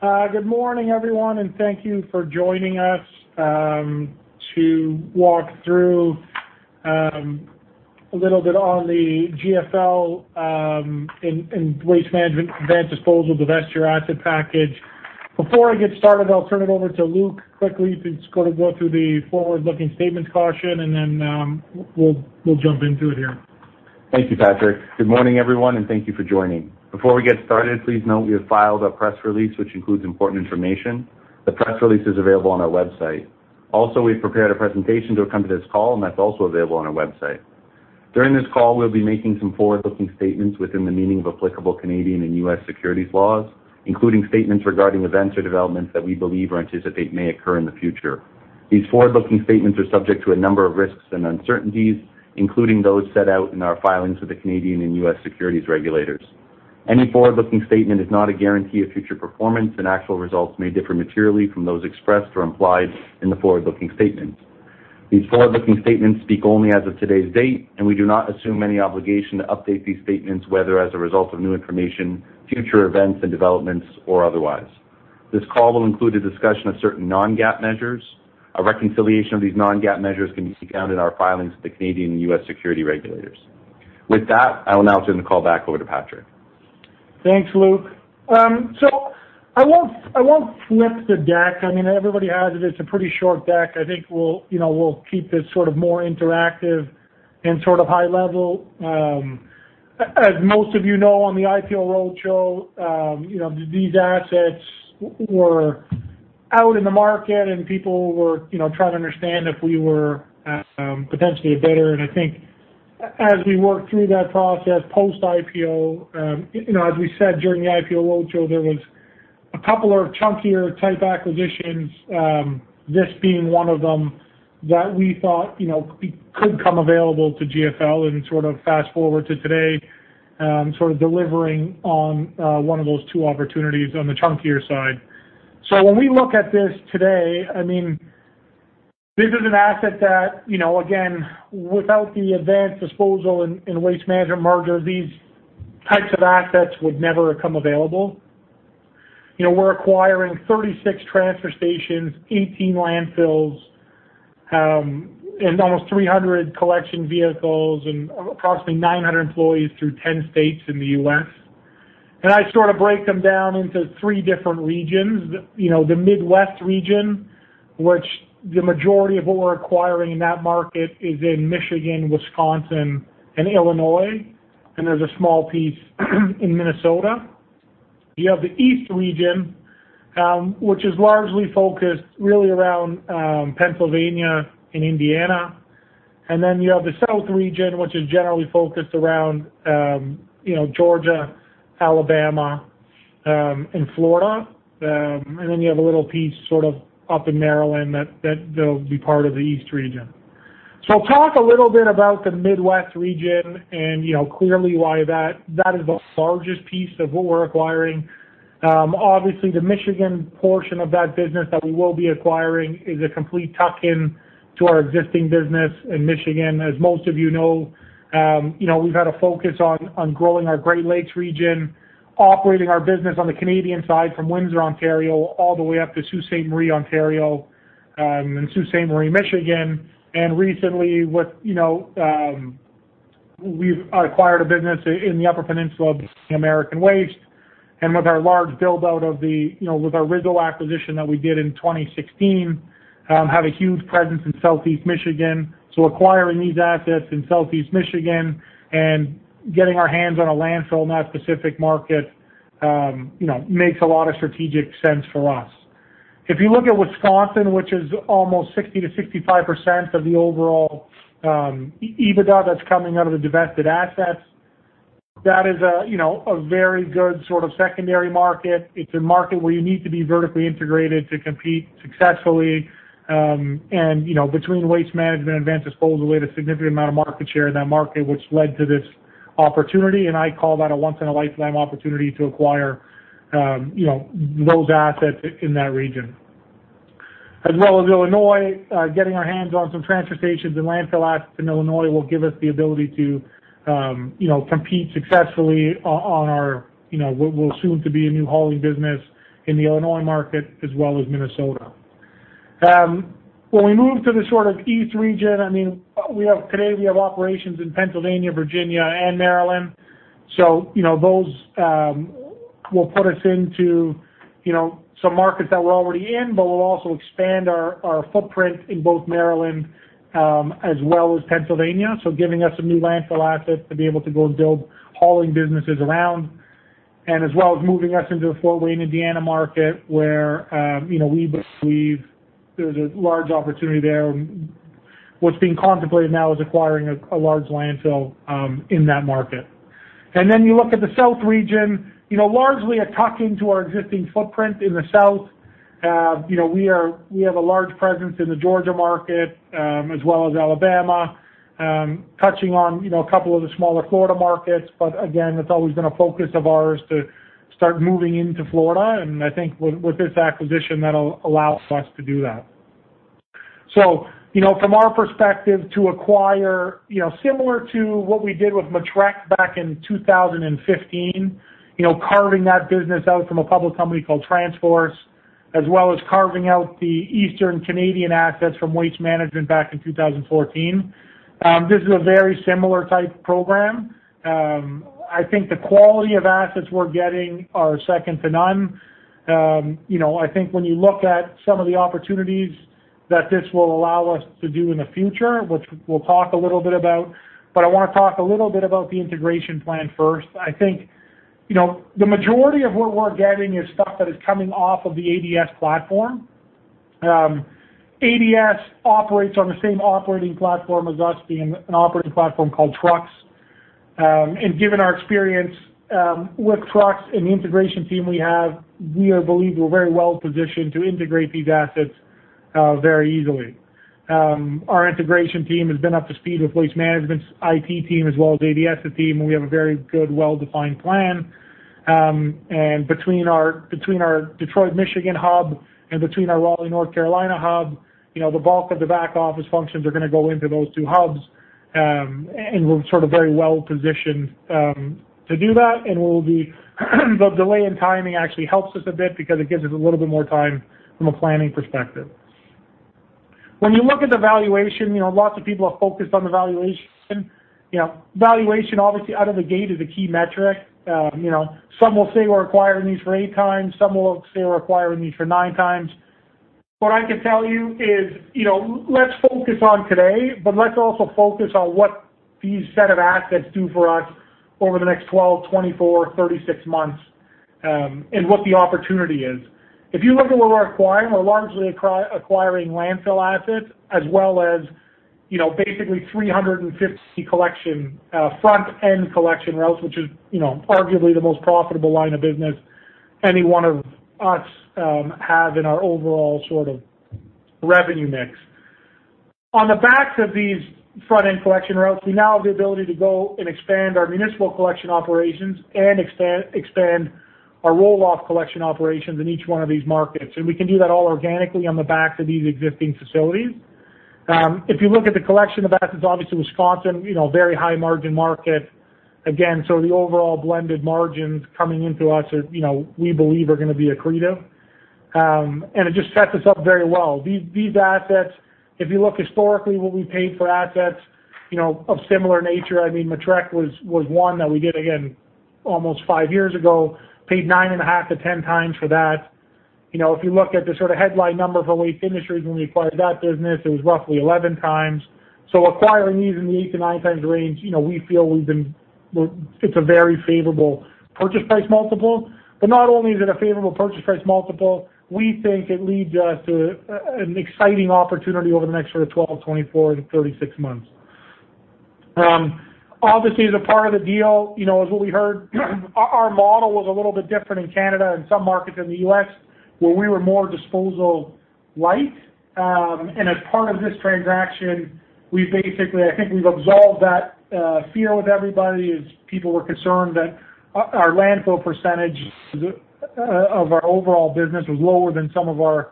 Good morning, everyone. Thank you for joining us to walk through a little bit on the GFL and Waste Management Advanced Disposal divested asset package. Before I get started, I'll turn it over to Luke quickly to go through the forward-looking statements caution. We'll jump into it here. Thank you, Patrick. Good morning, everyone, and thank you for joining. Before we get started, please note we have filed a press release which includes important information. The press release is available on our website. We've prepared a presentation to accompany this call, and that's also available on our website. During this call, we'll be making some forward-looking statements within the meaning of applicable Canadian and U.S. securities laws, including statements regarding events or developments that we believe or anticipate may occur in the future. These forward-looking statements are subject to a number of risks and uncertainties, including those set out in our filings with the Canadian and U.S. securities regulators. Any forward-looking statement is not a guarantee of future performance, actual results may differ materially from those expressed or implied in the forward-looking statements. These forward-looking statements speak only as of today's date, and we do not assume any obligation to update these statements, whether as a result of new information, future events and developments, or otherwise. This call will include a discussion of certain non-GAAP measures. A reconciliation of these non-GAAP measures can be found in our filings with the Canadian and U.S. securities regulators. With that, I will now turn the call back over to Patrick. Thanks, Luke. I won't flip the deck. I mean, everybody has it. It's a pretty short deck. I think we'll keep this more interactive and high level. As most of you know, on the IPO roadshow, these assets were out in the market, and people were trying to understand if we were potentially a bidder. I think as we worked through that process post-IPO, as we said during the IPO roadshow, there was a couple of chunkier type acquisitions, this being one of them, that we thought could come available to GFL, and sort of fast-forward to today, sort of delivering on one of those two opportunities on the chunkier side. When we look at this today, this is an asset that, again, without the Advanced Disposal and Waste Management merger, these types of assets would never have come available. We're acquiring 36 transfer stations, 18 landfills, and almost 300 collection vehicles and approximately 900 employees through 10 states in the U.S. I sort of break them down into three different regions. The Midwest region, which the majority of what we're acquiring in that market is in Michigan, Wisconsin, and Illinois, and there's a small piece in Minnesota. You have the East region, which is largely focused really around Pennsylvania and Indiana. You have the South region, which is generally focused around Georgia, Alabama, and Florida. You have a little piece sort of up in Maryland that'll be part of the East region. Talk a little bit about the Midwest region and clearly why that is the largest piece of what we're acquiring. Obviously, the Michigan portion of that business that we will be acquiring is a complete tuck-in to our existing business in Michigan. As most of you know, we've had a focus on growing our Great Lakes region, operating our business on the Canadian side from Windsor, Ontario, all the way up to Sault Ste. Marie, Ontario, and Sault Ste. Marie, Michigan. Recently we've acquired a business in the Upper Peninsula, American Waste, and with our original acquisition that we did in 2016, have a huge presence in Southeast Michigan. Acquiring these assets in Southeast Michigan and getting our hands on a landfill in that specific market makes a lot of strategic sense for us. If you look at Wisconsin, which is almost 60%-65% of the overall EBITDA that's coming out of the divested assets, that is a very good sort of secondary market. It's a market where you need to be vertically integrated to compete successfully. Between Waste Management and Advanced Disposal, we had a significant amount of market share in that market, which led to this opportunity, and I call that a once in a lifetime opportunity to acquire those assets in that region. As well as Illinois, getting our hands on some transfer stations and landfill assets in Illinois will give us the ability to compete successfully on what will soon to be a new hauling business in the Illinois market as well as Minnesota. When we move to the East region, today we have operations in Pennsylvania, Virginia, and Maryland, so those will put us into some markets that we're already in, but we'll also expand our footprint in both Maryland, as well as Pennsylvania, so giving us some new landfill assets to be able to go and build hauling businesses around, and as well as moving us into the Fort Wayne, Indiana market where we believe there's a large opportunity there, and what's being contemplated now is acquiring a large landfill in that market. You look at the South region, largely a tuck-in to our existing footprint in the South. We have a large presence in the Georgia market, as well as Alabama, touching on a couple of the smaller Florida markets. Again, that's always been a focus of ours to start moving into Florida, and I think with this acquisition, that'll allow us to do that. From our perspective, to acquire, similar to what we did with Matrec back in 2015, carving that business out from a public company called TransForce, as well as carving out the Eastern Canadian assets from Waste Management back in 2014, this is a very similar type program. I think the quality of assets we're getting are second to none. I think when you look at some of the opportunities that this will allow us to do in the future, which we'll talk a little bit about, but I want to talk a little bit about the integration plan first. I think, the majority of what we're getting is stuff that is coming off of the ADS platform. ADS operates on the same operating platform as us, being an operating platform called TRUX. Given our experience with TRUX and the integration team we have, we believe we're very well-positioned to integrate these assets very easily. Our integration team has been up to speed with Waste Management's IT team as well as ADS' team, and we have a very good, well-defined plan. Between our Detroit, Michigan hub and between our Raleigh, North Carolina hub, the bulk of the back office functions are going to go into those two hubs, and we're very well-positioned to do that, and the delay in timing actually helps us a bit because it gives us a little bit more time from a planning perspective. When you look at the valuation, lots of people are focused on the valuation. Valuation, obviously, out of the gate is a key metric. Some will say we're acquiring these for 8x. Some will say we're acquiring these for 9x. What I can tell you is, let's focus on today, but let's also focus on what these set of assets do for us over the next 12, 24, 36 months, and what the opportunity is. If you look at what we're acquiring, we're largely acquiring landfill assets as well as basically 350 front-end collection routes, which is arguably the most profitable line of business any one of us have in our overall revenue mix. On the backs of these front-end collection routes, we now have the ability to go and expand our municipal collection operations and expand our roll-off collection operations in each one of these markets. We can do that all organically on the backs of these existing facilities. If you look at the collection of assets, obviously, Wisconsin, very high-margin market. The overall blended margins coming into us are, we believe are going to be accretive. It just sets us up very well. These assets, if you look historically what we paid for assets of similar nature, I mean, Matrec was one that we did, again, almost five years ago, paid 9.5-10 times for that. If you look at the headline number for Waste Industries when we acquired that business, it was roughly 11 times. Acquiring these in the 8-9 times range, we feel it's a very favorable purchase price multiple. Not only is it a favorable purchase price multiple, we think it leads us to an exciting opportunity over the next 12, 24 to 36 months. Obviously, as a part of the deal, as what we heard, our model was a little bit different in Canada and some markets in the U.S. where we were more disposal-light. As part of this transaction, we basically, I think we've absolved that fear with everybody as people were concerned that our landfill percentage of our overall business was lower than some of our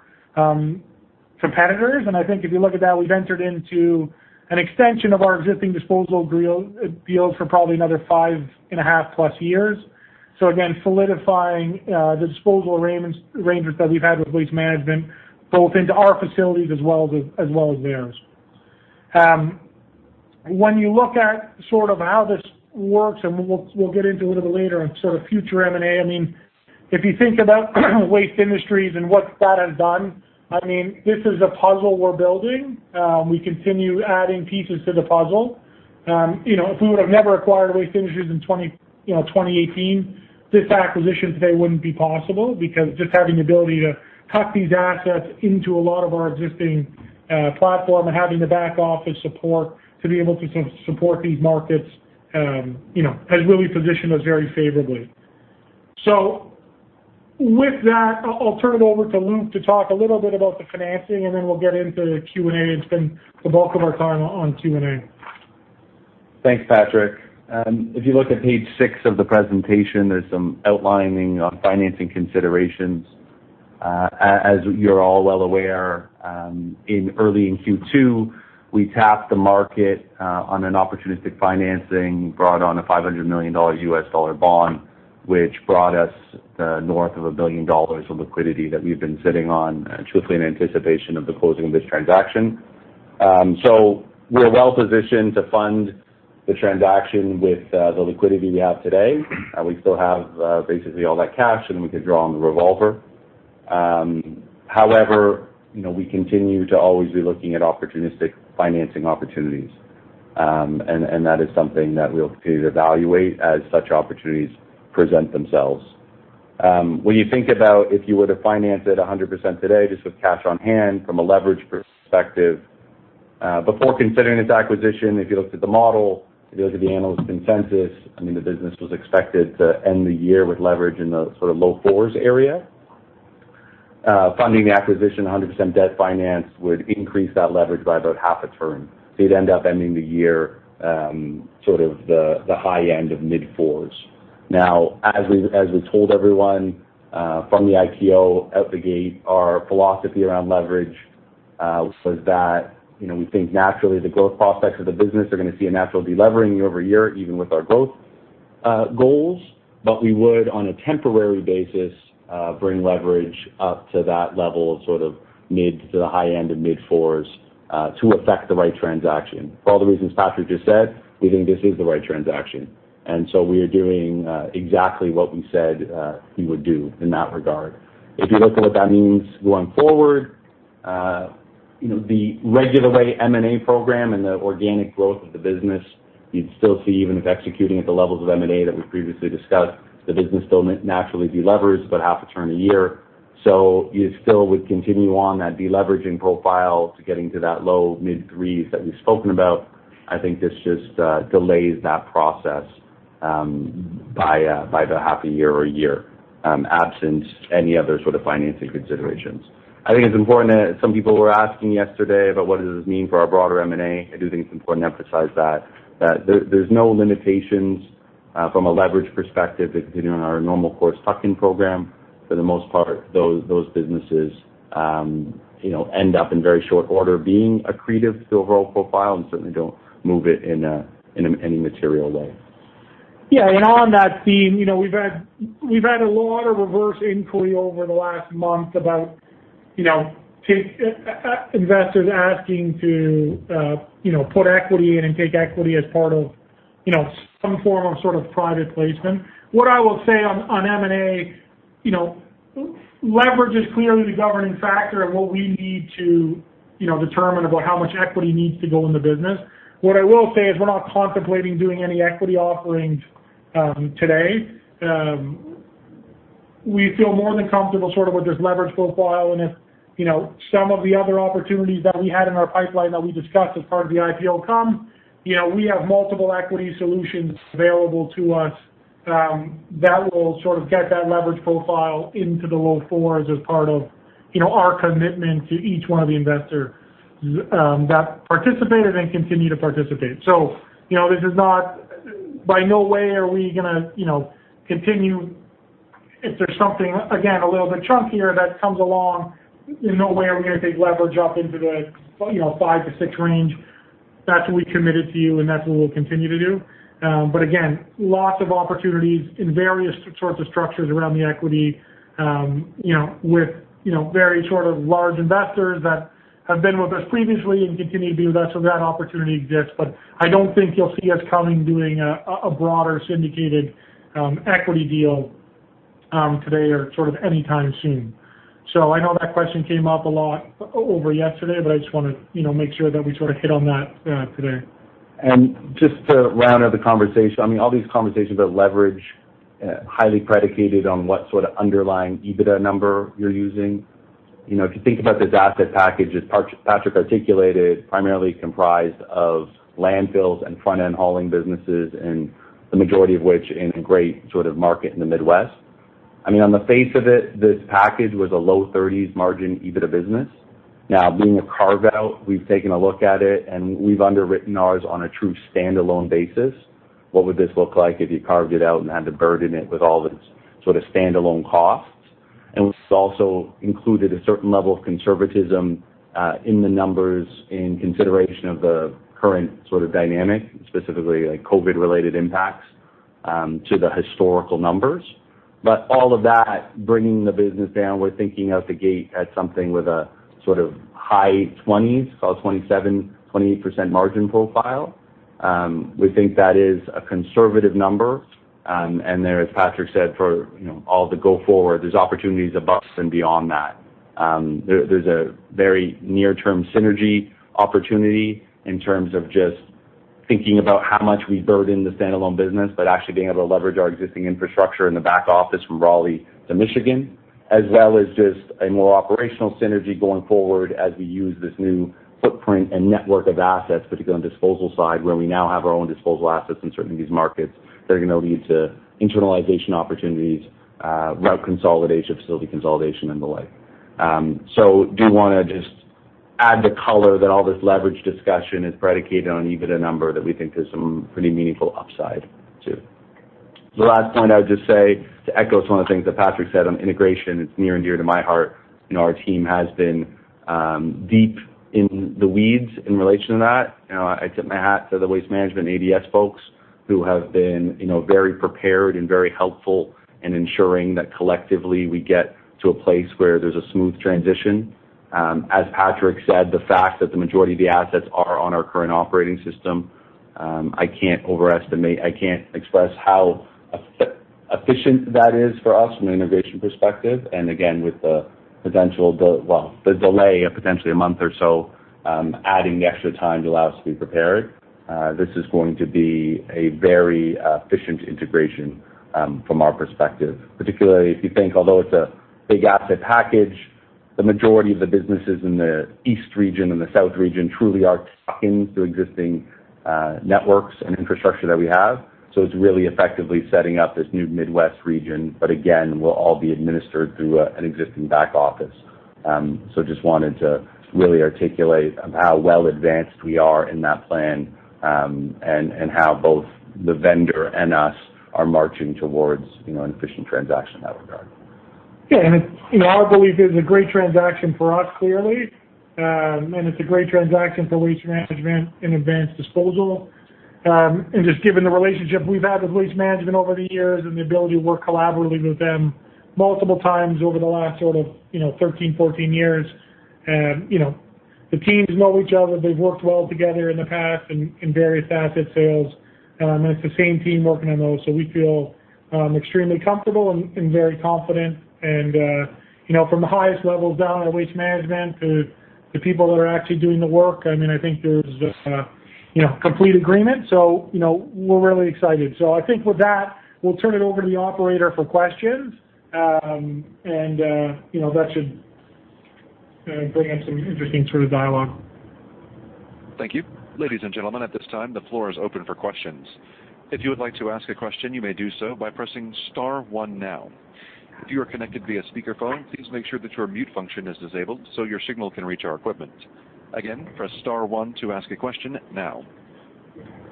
competitors. I think if you look at that, we've entered into an extension of our existing disposal deals for probably another five and a half plus years. Again, solidifying the disposal arrangements that we've had with Waste Management, both into our facilities as well as theirs. When you look at how this works, and we'll get into a little bit later on future M&A. If you think about Waste Industries and what that has done, this is a puzzle we're building. We continue adding pieces to the puzzle. If we would've never acquired Waste Industries in 2018, this acquisition today wouldn't be possible because just having the ability to tuck these assets into a lot of our existing platform and having the back office support to be able to support these markets has really positioned us very favorably. With that, I'll turn it over to Luke to talk a little bit about the financing, and then we'll get into Q&A and spend the bulk of our time on Q&A. Thanks, Patrick. If you look at page six of the presentation, there's some outlining on financing considerations. As you're all well aware, early in Q2, we tapped the market on an opportunistic financing, brought on a $500 million bond, which brought us north of $1 billion of liquidity that we've been sitting on, truthfully, in anticipation of the closing of this transaction. We're well-positioned to fund the transaction with the liquidity we have today. We still have basically all that cash, and we could draw on the revolver. However, we continue to always be looking at opportunistic financing opportunities. That is something that we'll continue to evaluate as such opportunities present themselves. When you think about if you were to finance it 100% today, just with cash on hand from a leverage perspective, before considering this acquisition, if you looked at the model, if you looked at the analyst consensus, I mean, the business was expected to end the year with leverage in the low fours area. Funding the acquisition 100% debt finance would increase that leverage by about half a turn. You'd end up ending the year the high end of mid-fours. As we told everyone from the IPO out the gate, our philosophy around leverage was that we think naturally the growth prospects of the business are going to see a natural de-levering year-over-year, even with our growth goals. We would, on a temporary basis, bring leverage up to that level of mid to the high end of mid-fours to effect the right transaction. For all the reasons Patrick just said, we think this is the right transaction, we are doing exactly what we said we would do in that regard. If you look at what that means going forward, the regular way M&A program and the organic growth of the business, you'd still see, even with executing at the levels of M&A that we previously discussed, the business still naturally de-levers about half a turn a year. You still would continue on that de-leveraging profile to getting to that low mid threes that we've spoken about. I think this just delays that process by the half a year or a year, absent any other sort of financing considerations. I think it's important that some people were asking yesterday about what does this mean for our broader M&A. I do think it's important to emphasize that there's no limitations from a leverage perspective to continuing our normal course tuck-in program. For the most part, those businesses end up in very short order being accretive to the overall profile and certainly don't move it in any material way. Yeah. On that theme, we've had a lot of reverse inquiry over the last month about investors asking to put equity in and take equity as part of some form of private placement. What I will say on M&A, leverage is clearly the governing factor in what we need to determine about how much equity needs to go in the business. What I will say is we're not contemplating doing any equity offerings today. We feel more than comfortable with this leverage profile, and if some of the other opportunities that we had in our pipeline that we discussed as part of the IPO come, we have multiple equity solutions available to us that will get that leverage profile into the low fours as part of our commitment to each one of the investors that participated and continue to participate. By no way are we going to continue if there's something, again, a little bit chunkier that comes along. In no way are we going to take leverage up into the five to six range. That's what we committed to you, and that's what we'll continue to do. Again, lots of opportunities in various sorts of structures around the equity with very large investors that have been with us previously and continue to be with us. That opportunity exists, but I don't think you'll see us coming doing a broader syndicated equity deal today or anytime soon. I know that question came up a lot over yesterday, but I just want to make sure that we hit on that today. Just to round out the conversation, all these conversations about leverage, highly predicated on what sort of underlying EBITDA number you're using. If you think about this asset package, as Patrick articulated, primarily comprised of landfills and front-end hauling businesses, and the majority of which in a great market in the Midwest. On the face of it, this package was a low 30s margin EBITDA business. Being a carve-out, we've taken a look at it, and we've underwritten ours on a true standalone basis. What would this look like if you carved it out and had to burden it with all its standalone costs? We also included a certain level of conservatism in the numbers in consideration of the current dynamic, specifically like COVID-related impacts to the historical numbers. All of that, bringing the business down, we're thinking out the gate at something with a high 20s, call it 27%, 28% margin profile. We think that is a conservative number, there, as Patrick said, for all the go forward, there's opportunities above and beyond that. There's a very near-term synergy opportunity in terms of just thinking about how much we burden the standalone business, actually being able to leverage our existing infrastructure in the back office from Raleigh to Michigan. As well as just a more operational synergy going forward as we use this new footprint and network of assets, particularly on the disposal side, where we now have our own disposal assets in certain of these markets that are going to lead to internalization opportunities, route consolidation, facility consolidation, and the like. Do want to just add the color that all this leverage discussion is predicated on EBITDA number that we think there's some pretty meaningful upside to. The last point I would just say, to echo one of the things that Patrick said on integration, it's near and dear to my heart. Our team has been deep in the weeds in relation to that. I tip my hat to the Waste Management ADS folks who have been very prepared and very helpful in ensuring that collectively we get to a place where there's a smooth transition. As Patrick said, the fact that the majority of the assets are on our current operating system, I can't express how efficient that is for us from an integration perspective. Again, with the delay of potentially a month or so, adding the extra time to allow us to be prepared, this is going to be a very efficient integration from our perspective. Particularly if you think, although it's a big asset package, the majority of the businesses in the east region and the south region truly are tuck-ins to existing networks and infrastructure that we have. It's really effectively setting up this new Midwest region, but again, will all be administered through an existing back office. Just wanted to really articulate how well advanced we are in that plan, and how both the vendor and us are marching towards an efficient transaction in that regard. Yeah. Our belief is a great transaction for us, clearly. It's a great transaction for Waste Management and Advanced Disposal. Just given the relationship we've had with Waste Management over the years and the ability to work collaboratively with them multiple times over the last sort of 13, 14 years. The teams know each other, they've worked well together in the past in various asset sales, and it's the same team working on those, so we feel extremely comfortable and very confident. From the highest levels down at Waste Management to the people that are actually doing the work, I think there's just complete agreement. We're really excited. I think with that, we'll turn it over to the Operator for questions, and that should bring up some interesting sort of dialogue. Thank you. Ladies and gentlemen, at this time, the floor is open for questions. If you would like to ask a question, you may do so by pressing star one now. If you are connected via speakerphone, please make sure that your mute function is disabled so your signal can reach our equipment. Again, press star one to ask a question now.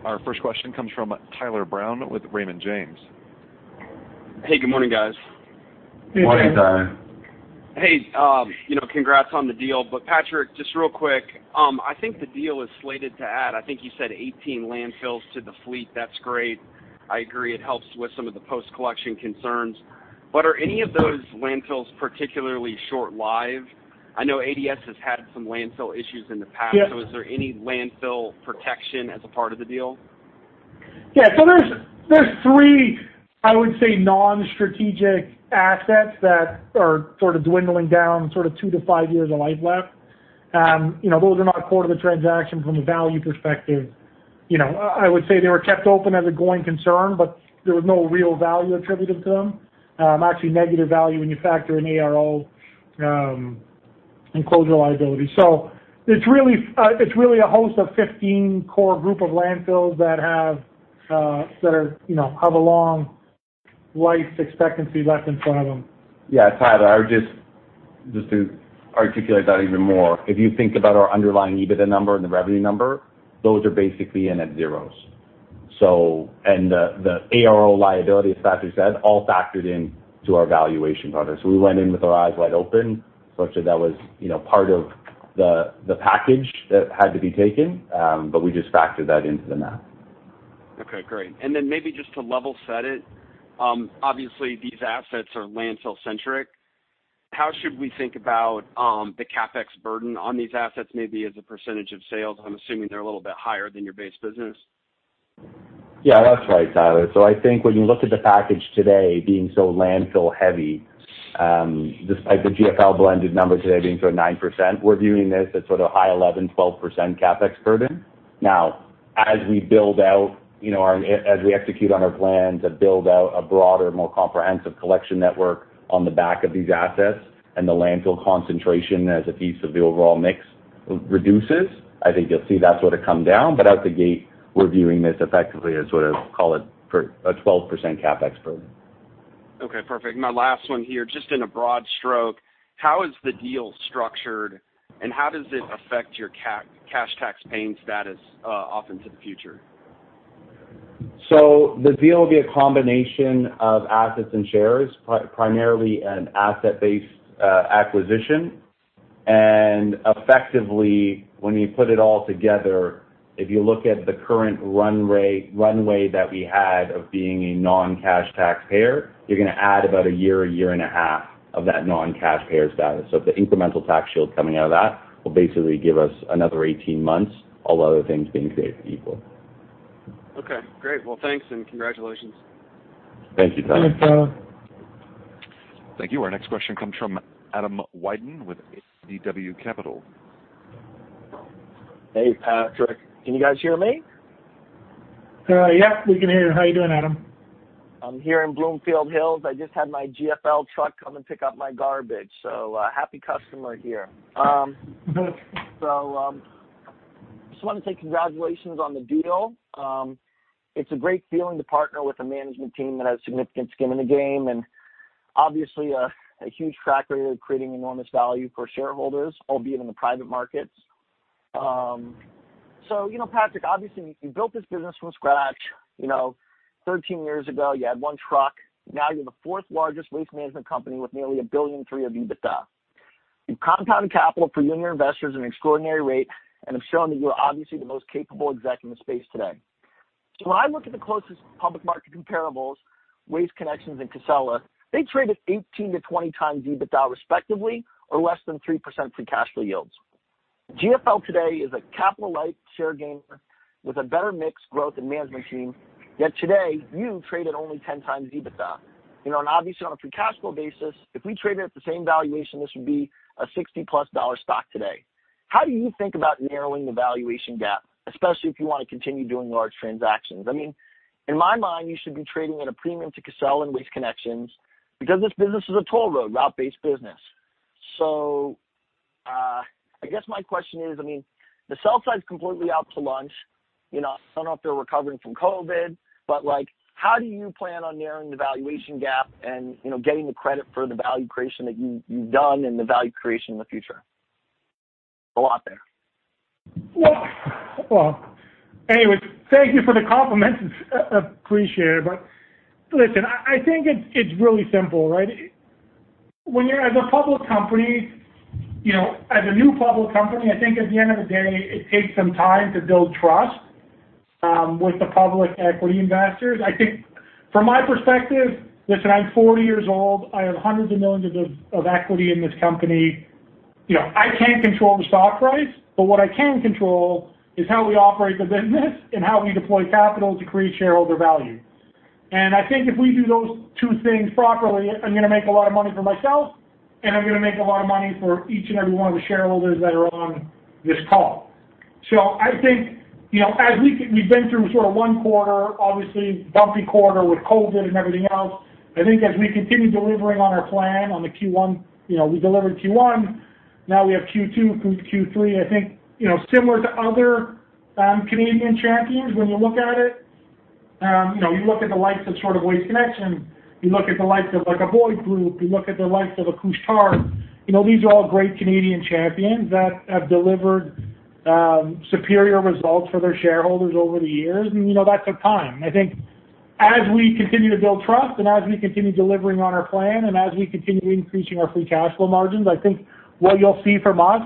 Our first question comes from Tyler Brown with Raymond James. Hey, good morning, guys. Good morning. Morning, Tyler. Hey, congrats on the deal, but Patrick, just real quick. I think the deal is slated to add, I think you said 18 landfills to the fleet. That's great. I agree it helps with some of the post-collection concerns. Are any of those landfills particularly short-lived? I know ADS has had some landfill issues in the past. Yes. Is there any landfill protection as a part of the deal? Yeah. There's three, I would say, non-strategic assets that are sort of dwindling down, sort of two to five years of life left. Those are not core to the transaction from a value perspective. I would say they were kept open as a going concern, but there was no real value attributed to them, actually negative value when you factor in ARO and closure liability. It's really a host of 15 core group of landfills that have a long life expectancy left in front of them. Yeah, Tyler, just to articulate that even more, if you think about our underlying EBITDA number and the revenue number, those are basically in at zeros. The ARO liability, as Patrick said, all factored into our valuation partner. We went in with our eyes wide open, such that was part of the package that had to be taken, but we just factored that into the math. Okay, great. Maybe just to level set it, obviously these assets are landfill-centric. How should we think about the CapEx burden on these assets, maybe as a percentage of sales? I'm assuming they're a little bit higher than your base business. Yeah, that's right, Tyler. I think when you look at the package today being so landfill heavy, despite the GFL blended number today being sort of 9%, we're viewing this as sort of high 11%, 12% CapEx burden. As we execute on our plans to build out a broader, more comprehensive collection network on the back of these assets and the landfill concentration as a piece of the overall mix reduces, I think you'll see that sort of come down. Out the gate, we're viewing this effectively as sort of, call it a 12% CapEx burden. Okay, perfect. My last one here, just in a broad stroke, how is the deal structured, how does it affect your cash tax paying status off into the future? The deal will be a combination of assets and shares, primarily an asset-based acquisition. Effectively, when you put it all together, if you look at the current runway that we had of being a non-cash taxpayer, you're going to add about a year, a year and a half of that non-cash payer status. The incremental tax shield coming out of that will basically give us another 18 months, all other things being created equal. Okay, great. Well, thanks, and congratulations. Thank you, Tyler. Thanks, Tyler. Thank you. Our next question comes from Adam Wyden with ADW Capital. Hey, Patrick. Can you guys hear me? Yeah, we can hear you. How are you doing, Adam? I'm here in Bloomfield Hills. I just had my GFL truck come and pick up my garbage, a happy customer here. Just want to say congratulations on the deal. It's a great feeling to partner with a management team that has significant skin in the game and obviously a huge track record of creating enormous value for shareholders, albeit in the private markets. Patrick, obviously you built this business from scratch. 13 years ago, you had one truck. Now you're the fourth largest waste management company with nearly a billion three of EBITDA. You've compounded capital for you and your investors at an extraordinary rate and have shown that you are obviously the most capable exec in the space today. When I look at the closest public market comparables, Waste Connections and Casella, they trade at 18-20x EBITDA respectively or less than 3% free cash flow yields. GFL today is a capital-light share gainer with a better mix growth and management team. Yet today, you trade at only 10x EBITDA. Obviously on a free cash flow basis, if we traded at the same valuation, this would be a $60+ stock today. How do you think about narrowing the valuation gap, especially if you want to continue doing large transactions? In my mind, you should be trading at a premium to Casella and Waste Connections because this business is a toll road route-based business. I guess my question is, the sell side's completely out to lunch. How do you plan on narrowing the valuation gap and getting the credit for the value creation that you've done and the value creation in the future? A lot there. Well, anyways, thank you for the compliments. Appreciate it. Listen, I think it's really simple, right? As a new public company, I think at the end of the day, it takes some time to build trust with the public equity investors. I think from my perspective, listen, I'm 40 years old. I have hundreds of millions of equity in this company. I can't control the stock price, but what I can control is how we operate the business and how we deploy capital to create shareholder value. I think if we do those two things properly, I'm going to make a lot of money for myself, and I'm going to make a lot of money for each and every one of the shareholders that are on this call. I think, as we've been through sort of one quarter, obviously bumpy quarter with COVID and everything else, I think as we continue delivering on our plan on Q1, we delivered Q1. Now we have Q2 through Q3. I think, similar to other Canadian champions when you look at it, you look at the likes of sort of Waste Connections, you look at the likes of a Boyd Group, you look at the likes of a Couche-Tard, these are all great Canadian champions that have delivered superior results for their shareholders over the years. That took time. I think as we continue to build trust, as we continue delivering on our plan, and as we continue increasing our free cash flow margins, I think what you'll see from us,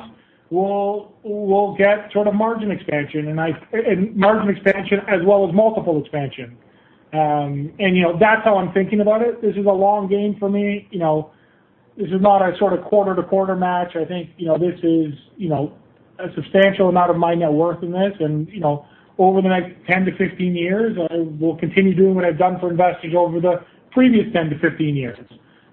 we'll get sort of margin expansion. Margin expansion as well as multiple expansion. That's how I'm thinking about it. This is a long game for me. This is not a sort of quarter-to-quarter match. I think this is a substantial amount of my net worth in this, and over the next 10-15 years, I will continue doing what I've done for investors over the previous 10-15 years.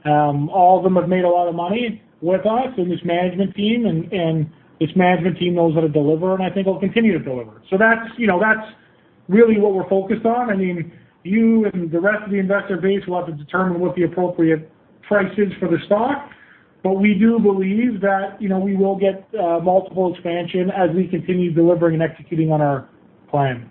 All of them have made a lot of money with us and this management team, and this management team knows how to deliver, and I think will continue to deliver. That's really what we're focused on. You and the rest of the investor base will have to determine what the appropriate price is for the stock, but we do believe that we will get multiple expansion as we continue delivering and executing on our plan.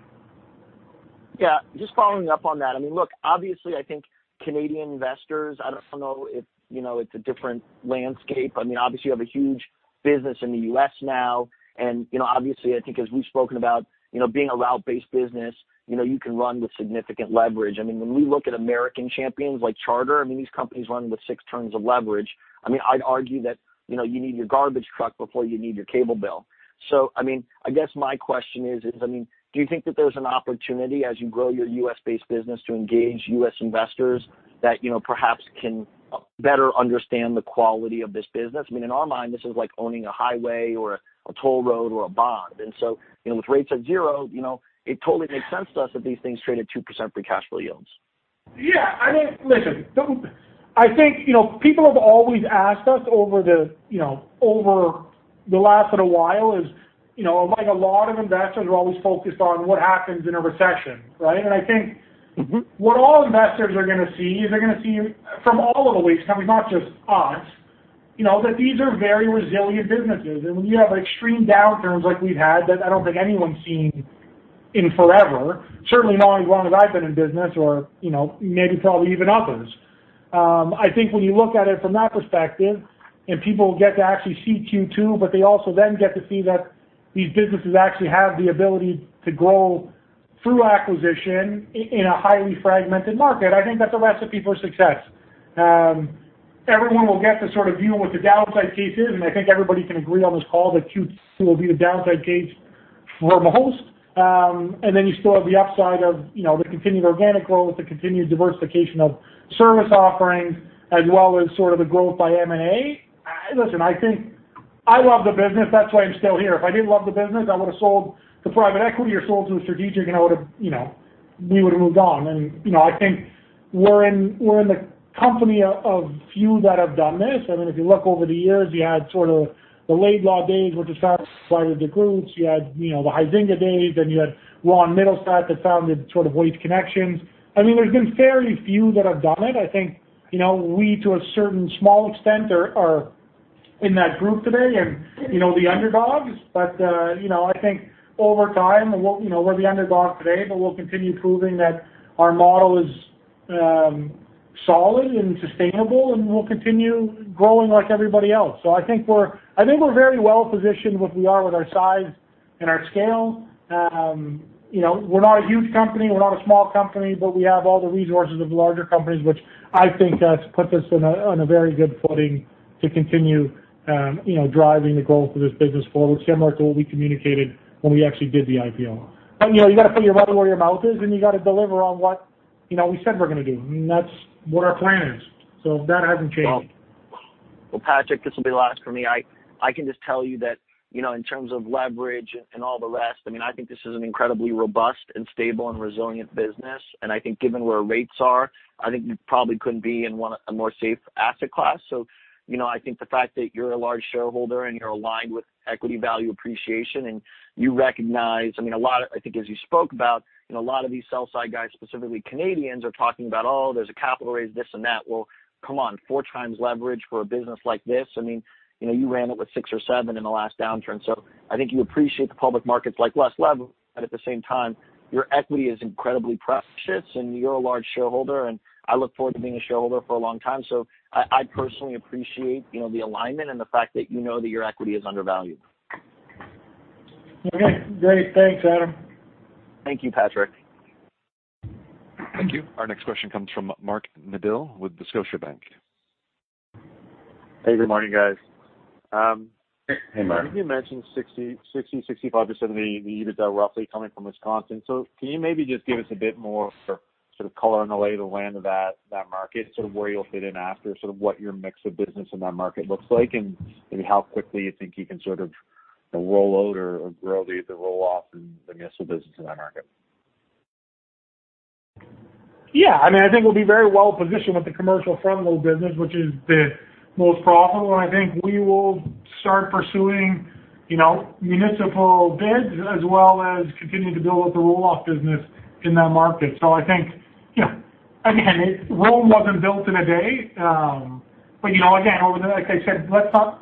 Yeah. Just following up on that. Luke, obviously, I think Canadian investors, I don't know if it's a different landscape. Obviously, you have a huge business in the U.S. now, and obviously, I think as we've spoken about, being a route-based business, you can run with significant leverage. When we look at American champions like Charter, these companies run with six turns of leverage. I'd argue that you need your garbage truck before you need your cable bill. I guess my question is, do you think that there's an opportunity as you grow your U.S.-based business to engage U.S. investors that perhaps can better understand the quality of this business? In our mind, this is like owning a highway or a toll road or a bond. With rates at zero, it totally makes sense to us that these things trade at 2% free cash flow yields. Yeah. Listen. I think people have always asked us over the last little while is, like a lot of investors, we're always focused on what happens in a recession, right? I think what all investors are going to see is they're going to see, from all of the waste companies, not just us, that these are very resilient businesses. When you have extreme downturns like we've had, that I don't think anyone's seen in forever, certainly not as long as I've been in business or maybe probably even others. I think when you look at it from that perspective, people get to actually see Q2, they also then get to see that these businesses actually have the ability to grow through acquisition in a highly fragmented market. I think that's a recipe for success. Everyone will get to sort of deal what the downside case is, and I think everybody can agree on this call that Q2 will be the downside case for most. You still have the upside of the continued organic growth, the continued diversification of service offerings, as well as sort of the growth by M&A. Listen, I think I love the business. That's why I'm still here. If I didn't love the business, I would've sold to private equity or sold to a strategic, and we would've moved on. I think we're in the company of few that have done this. If you look over the years, you had sort of the lead days, which is how I started the groups. You had the Huizenga days, and you had Ron Mittelstaedt that founded sort of Waste Connections. There's been very few that have done it. I think we, to a certain small extent, are in that group today and the underdogs. I think over time, we're the underdog today, but we'll continue proving that our model is solid and sustainable, and we'll continue growing like everybody else. I think we're very well-positioned what we are with our size and our scale. We're not a huge company. We're not a small company, but we have all the resources of larger companies, which I think has put us in a very good footing to continue driving the growth of this business forward, similar to what we communicated when we actually did the IPO. You got to put your money where your mouth is, and you got to deliver on what we said we're going to do, and that's what our plan is. That hasn't changed. Well, Patrick, this will be the last for me. I can just tell you that in terms of leverage and all the rest, I think this is an incredibly robust and stable and resilient business. I think given where rates are, I think you probably couldn't be in a more safe asset class. I think the fact that you're a large shareholder and you're aligned with equity value appreciation, you recognize, I think as you spoke about, a lot of these sell side guys, specifically Canadians, are talking about, oh, there's a capital raise, this and that. Come on, four times leverage for a business like this. You ran it with six or seven in the last downturn. I think you appreciate the public markets like less levered, but at the same time, your equity is incredibly precious, and you're a large shareholder, and I look forward to being a shareholder for a long time. I personally appreciate the alignment and the fact that you know that your equity is undervalued. Okay, great. Thanks, Adam. Thank you, Patrick. Thank you. Our next question comes from Mark Neville with the Scotiabank. Hey, good morning, guys. Hey, Mark. You mentioned 60%-65% of the EBITDA roughly coming from Wisconsin. Can you maybe just give us a bit more sort of color on the lay of the land of that market, sort of where you'll fit in after, sort of what your mix of business in that market looks like, and maybe how quickly you think you can sort of roll out or grow the roll-off and the municipal business in that market? Yeah, I think we'll be very well positioned with the commercial front load business, which is the most profitable. I think we will start pursuing municipal bids as well as continuing to build up the roll-off business in that market. I think Rome wasn't built in a day. Again, like I said,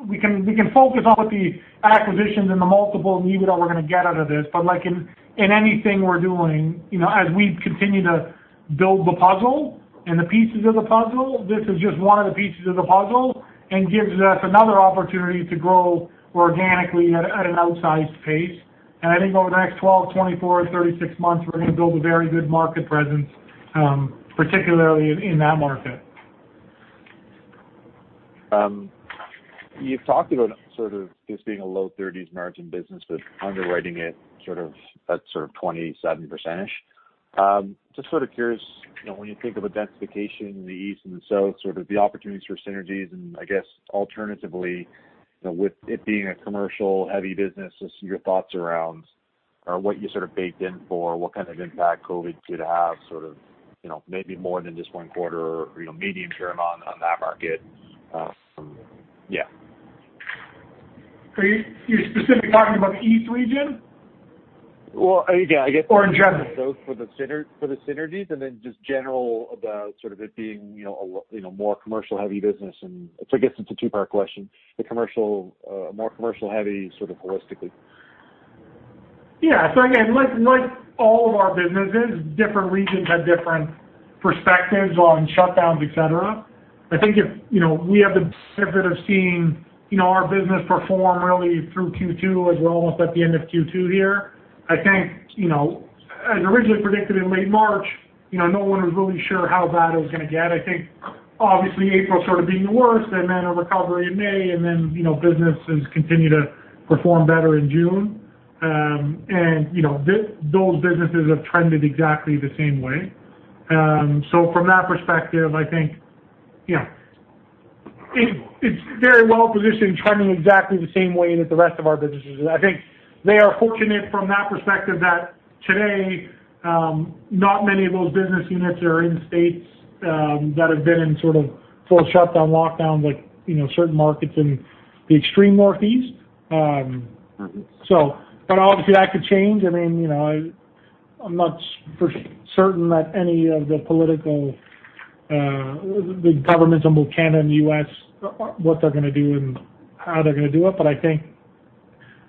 we can focus on what the acquisitions and the multiple and EBITDA we're going to get out of this. Like in anything we're doing, as we continue to build the puzzle and the pieces of the puzzle, this is just one of the pieces of the puzzle and gives us another opportunity to grow organically at an outsized pace. I think over the next 12, 24, 36 months, we're going to build a very good market presence, particularly in that market. You've talked about sort of this being a low thirties margin business, but underwriting it sort of at 27%-ish. Just sort of curious, when you think of identification in the east and south, sort of the opportunities for synergies and I guess alternatively, with it being a commercial heavy business, just your thoughts around or what you sort of baked in for what kind of impact COVID could have sort of maybe more than just one quarter, medium-term on that market? Yeah. You're specifically talking about the east region? Well, yeah, I guess. In general? Both for the synergies and then just general about sort of it being a more commercial heavy business and I guess it's a two-part question. The more commercial heavy sort of holistically. Yeah. Again, like all of our businesses, different regions have different perspectives on shutdowns, et cetera. I think we have the benefit of seeing our business perform really through Q2 as we're almost at the end of Q2 here. I think, as originally predicted in late March, no one was really sure how bad it was going to get. I think obviously April sort of being the worst and then a recovery in May, and then businesses continue to perform better in June. Those businesses have trended exactly the same way. From that perspective, I think it's very well positioned trending exactly the same way that the rest of our businesses is. I think they are fortunate from that perspective that today, not many of those business units are in states that have been in sort of full shutdown, lockdown, like certain markets in the extreme Northeast. Obviously that could change. I'm not for certain that any of the political, the governments in both Canada and the U.S., what they're going to do and how they're going to do it.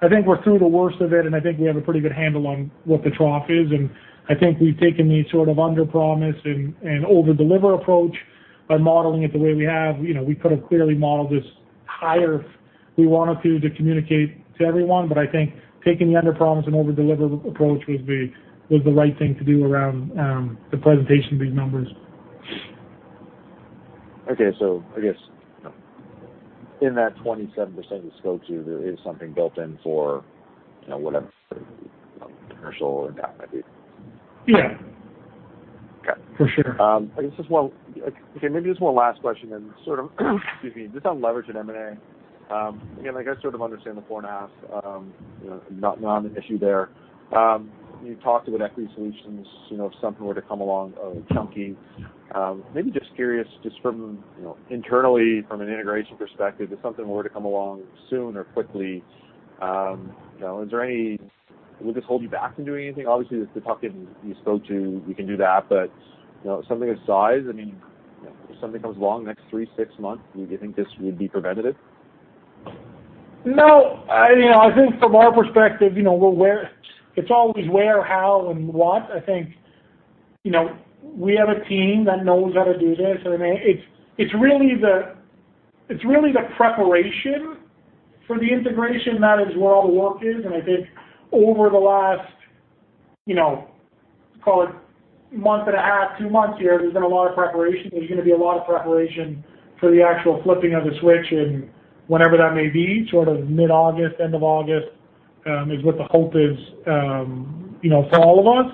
I think we're through the worst of it, and I think we have a pretty good handle on what the trough is, and I think we've taken the sort of underpromise and overdeliver approach by modeling it the way we have. We could have clearly modeled this higher if we wanted to communicate to everyone, I think taking the underpromise and overdeliver approach was the right thing to do around the presentation of these numbers. Okay. I guess in that 27% you spoke to, there is something built in for whatever commercial impact might be. Yeah. Okay. For sure. I guess just one last question, sort of, excuse me, just on leverage and M&A. I sort of understand the 4.5x, not an issue there. You talked about equity solutions, if something were to come along chunky. Maybe just curious, just from internally from an integration perspective, if something were to come along soon or quickly, will this hold you back from doing anything? Obviously, the tuck-in you spoke to, we can do that. Something of size, if something comes along next three, six months, do you think this would be preventative? No. I think from our perspective, it's always where, how, and what. I think we have a team that knows how to do this. It's really the preparation for the integration, that is where all the work is. I think over the last call it month and a half, two months here, there's been a lot of preparation. There's going to be a lot of preparation for the actual flipping of the switch, and whenever that may be, sort of mid-August, end of August, is what the hope is for all of us.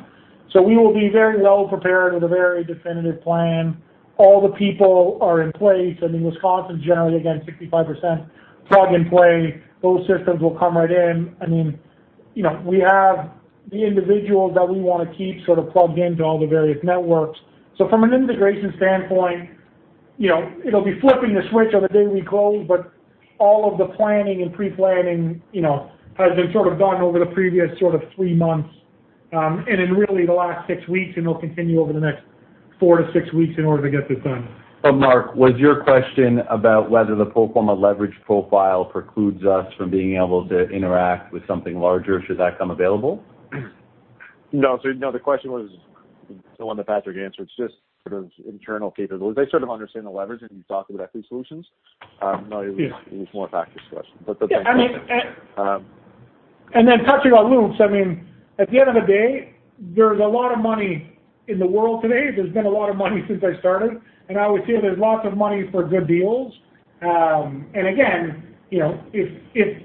We will be very well prepared with a very definitive plan. All the people are in place. In Wisconsin, generally, again, 65% plug and play. Those systems will come right in. We have the individuals that we want to keep sort of plugged into all the various networks. From an integration standpoint, it'll be flipping the switch on the day we close, but all of the planning and pre-planning has been done over the previous three months. In really the last six weeks, and it'll continue over the next four to six weeks in order to get this done. Mark, was your question about whether the pro forma leverage profile precludes us from being able to interact with something larger should that come available? No. The question was the one that Patrick answered, it's just sort of internal capabilities. I sort of understand the leverage if you talk about equity solutions. Yeah. No, it was more a practice question, but thanks. Yeah. Then touching on loans, at the end of the day, there's a lot of money in the world today. There's been a lot of money since I started, and I always say there's lots of money for good deals. Again, if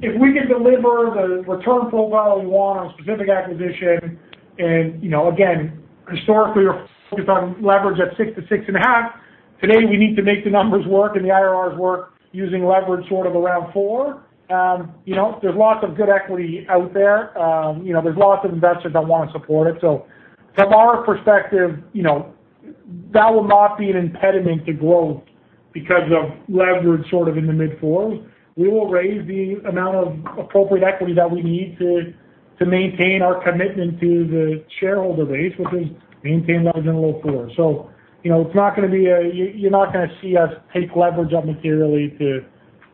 we can deliver the return profile we want on a specific acquisition, and again, historically we're focused on leverage at six to six and a half. Today we need to make the numbers work and the IRRs work using leverage sort of around four. There's lots of good equity out there. There's lots of investors that want to support it. From our perspective, that will not be an impediment to growth because of leverage sort of in the mid-four. We will raise the amount of appropriate equity that we need to maintain our commitment to the shareholder base, which is maintain leverage in the low fours. You're not going to see us take leverage up materially to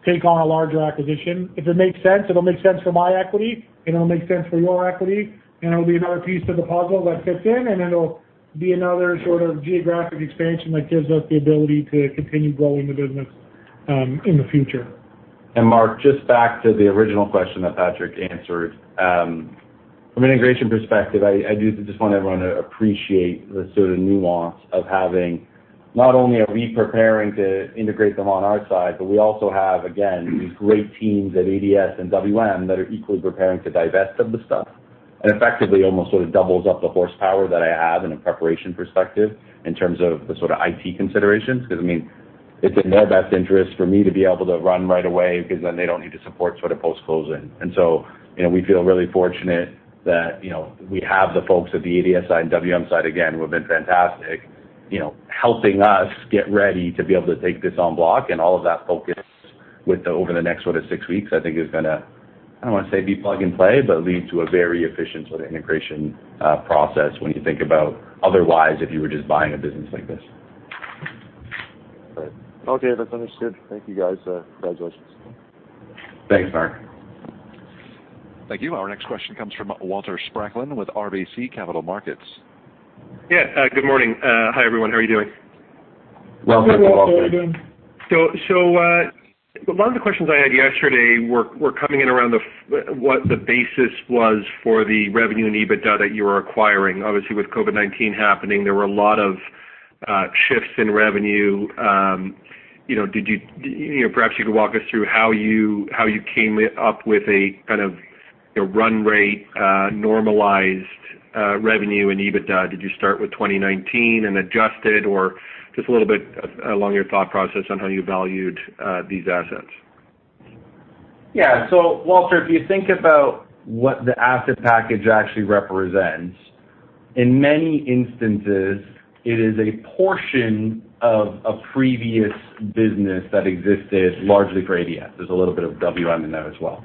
take on a larger acquisition. If it makes sense, it'll make sense for my equity, and it'll make sense for your equity. It'll be another piece to the puzzle that fits in, and it'll be another sort of geographic expansion that gives us the ability to continue growing the business in the future. Mark, just back to the original question that Patrick answered. From an integration perspective, I do just want everyone to appreciate the sort of nuance of having, not only are we preparing to integrate them on our side, but we also have, again, these great teams at ADS and WM that are equally preparing to divest of the stuff. Effectively, almost sort of doubles up the horsepower that I have in a preparation perspective in terms of the sort of IT considerations. Because it's in their best interest for me to be able to run right away because then they don't need to support post-closing. We feel really fortunate that we have the folks at the ADS side and WM side, again, who have been fantastic, helping us get ready to be able to take this on block. All of that focus over the next six weeks, I think is going to, I don't want to say be plug and play, but lead to a very efficient sort of integration process when you think about otherwise if you were just buying a business like this. Right. Okay. That's understood. Thank you guys. Congratulations. Thanks, Mark. Thank you. Our next question comes from Walter Spracklin with RBC Capital Markets. Yeah. Good morning. Hi, everyone. How are you doing? Welcome, Walter. Good, Walter. How are you doing? A lot of the questions I had yesterday were coming in around what the basis was for the revenue and EBITDA that you were acquiring. Obviously, with COVID-19 happening, there were a lot of shifts in revenue. Perhaps you could walk us through how you came up with a kind of run rate, normalized revenue in EBITDA. Did you start with 2019 and adjust it, or just a little bit along your thought process on how you valued these assets? Yeah. Walter, if you think about what the asset package actually represents, in many instances, it is a portion of a previous business that existed largely for ADS. There is a little bit of WM in there as well.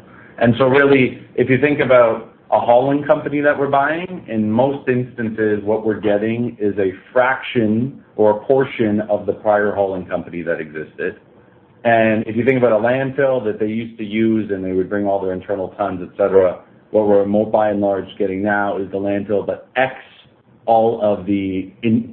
Really, if you think about a hauling company that we are buying, in most instances, what we are getting is a fraction or a portion of the prior hauling company that existed. If you think about a landfill that they used to use, and they would bring all their internal tons, et cetera. What we are by and large getting now is the landfill that X all of the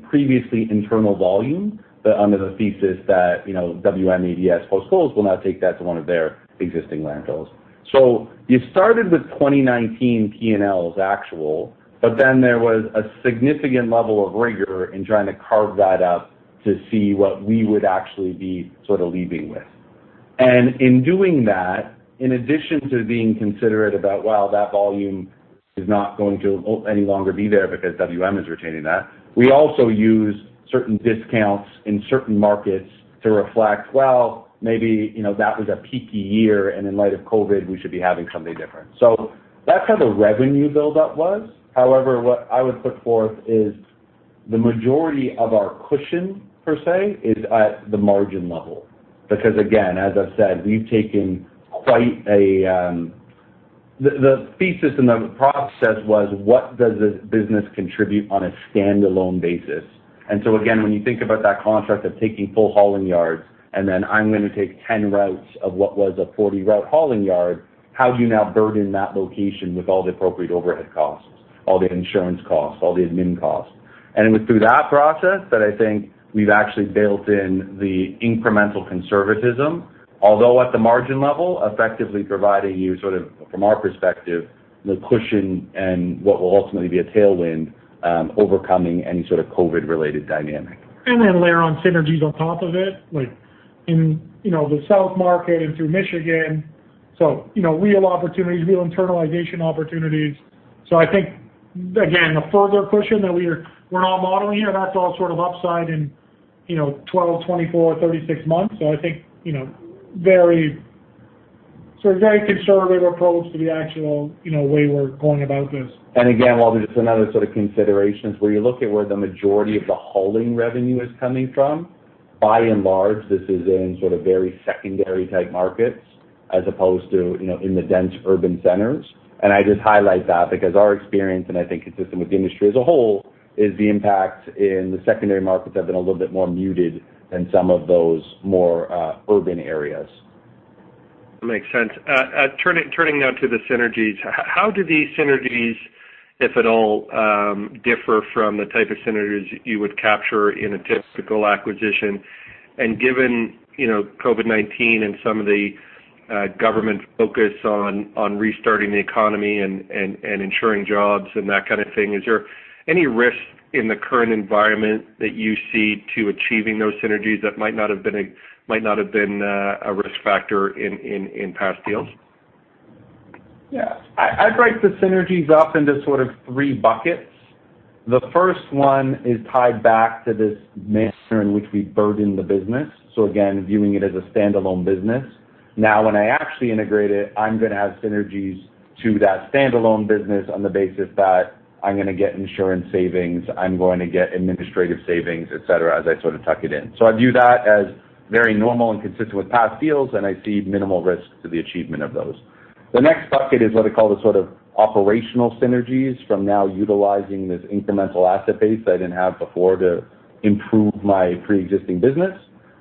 previously internal volume, but under the thesis that WM, ADS, post-close will now take that to one of their existing landfills. You started with 2019 P&L as actual, but then there was a significant level of rigor in trying to carve that up to see what we would actually be sort of leaving with. In doing that, in addition to being considerate about, well, that volume is not going to any longer be there because WM is retaining that. We also use certain discounts in certain markets to reflect, well, maybe, that was a peaky year, and in light of COVID, we should be having something different. That's how the revenue buildup was. What I would put forth is the majority of our cushion, per se, is at the margin level. Again, as I've said, we've taken. The thesis and the process was what does this business contribute on a standalone basis? Again, when you think about that construct of taking full hauling yards, then I'm going to take 10 routes of what was a 40-route hauling yard, how do you now burden that location with all the appropriate overhead costs, all the insurance costs, all the admin costs? It was through that process that I think we've actually built in the incremental conservatism, although at the margin level, effectively providing you sort of, from our perspective, the cushion and what will ultimately be a tailwind, overcoming any sort of COVID-related dynamic. Layer on synergies on top of it, like in the south market and through Michigan. Real opportunities, real internalization opportunities. I think, again, the further cushion that we're now modeling here, that's all sort of upside in 12, 24, 36 months. I think, very conservative approach to the actual way we're going about this. Again, Walter, just another sort of consideration, is where you look at where the majority of the hauling revenue is coming from. By and large, this is in sort of very secondary type markets as opposed to in the dense urban centers. I just highlight that because our experience, and I think consistent with the industry as a whole, is the impact in the secondary markets have been a little bit more muted than some of those more urban areas. Makes sense. Turning now to the synergies. How do these synergies, if at all, differ from the type of synergies you would capture in a typical acquisition? Given COVID-19 and some of the government focus on restarting the economy and ensuring jobs and that kind of thing, is there any risk in the current environment that you see to achieving those synergies that might not have been a risk factor in past deals? Yeah. I break the synergies up into sort of three buckets. The first one is tied back to this manner in which we burdened the business. Again, viewing it as a standalone business. Now, when I actually integrate it, I'm going to add synergies to that standalone business on the basis that I'm going to get insurance savings, I'm going to get administrative savings, et cetera, as I sort of tuck it in. I view that as very normal and consistent with past deals, and I see minimal risk to the achievement of those. The next bucket is what I call the sort of operational synergies from now utilizing this incremental asset base I didn't have before to improve my preexisting business.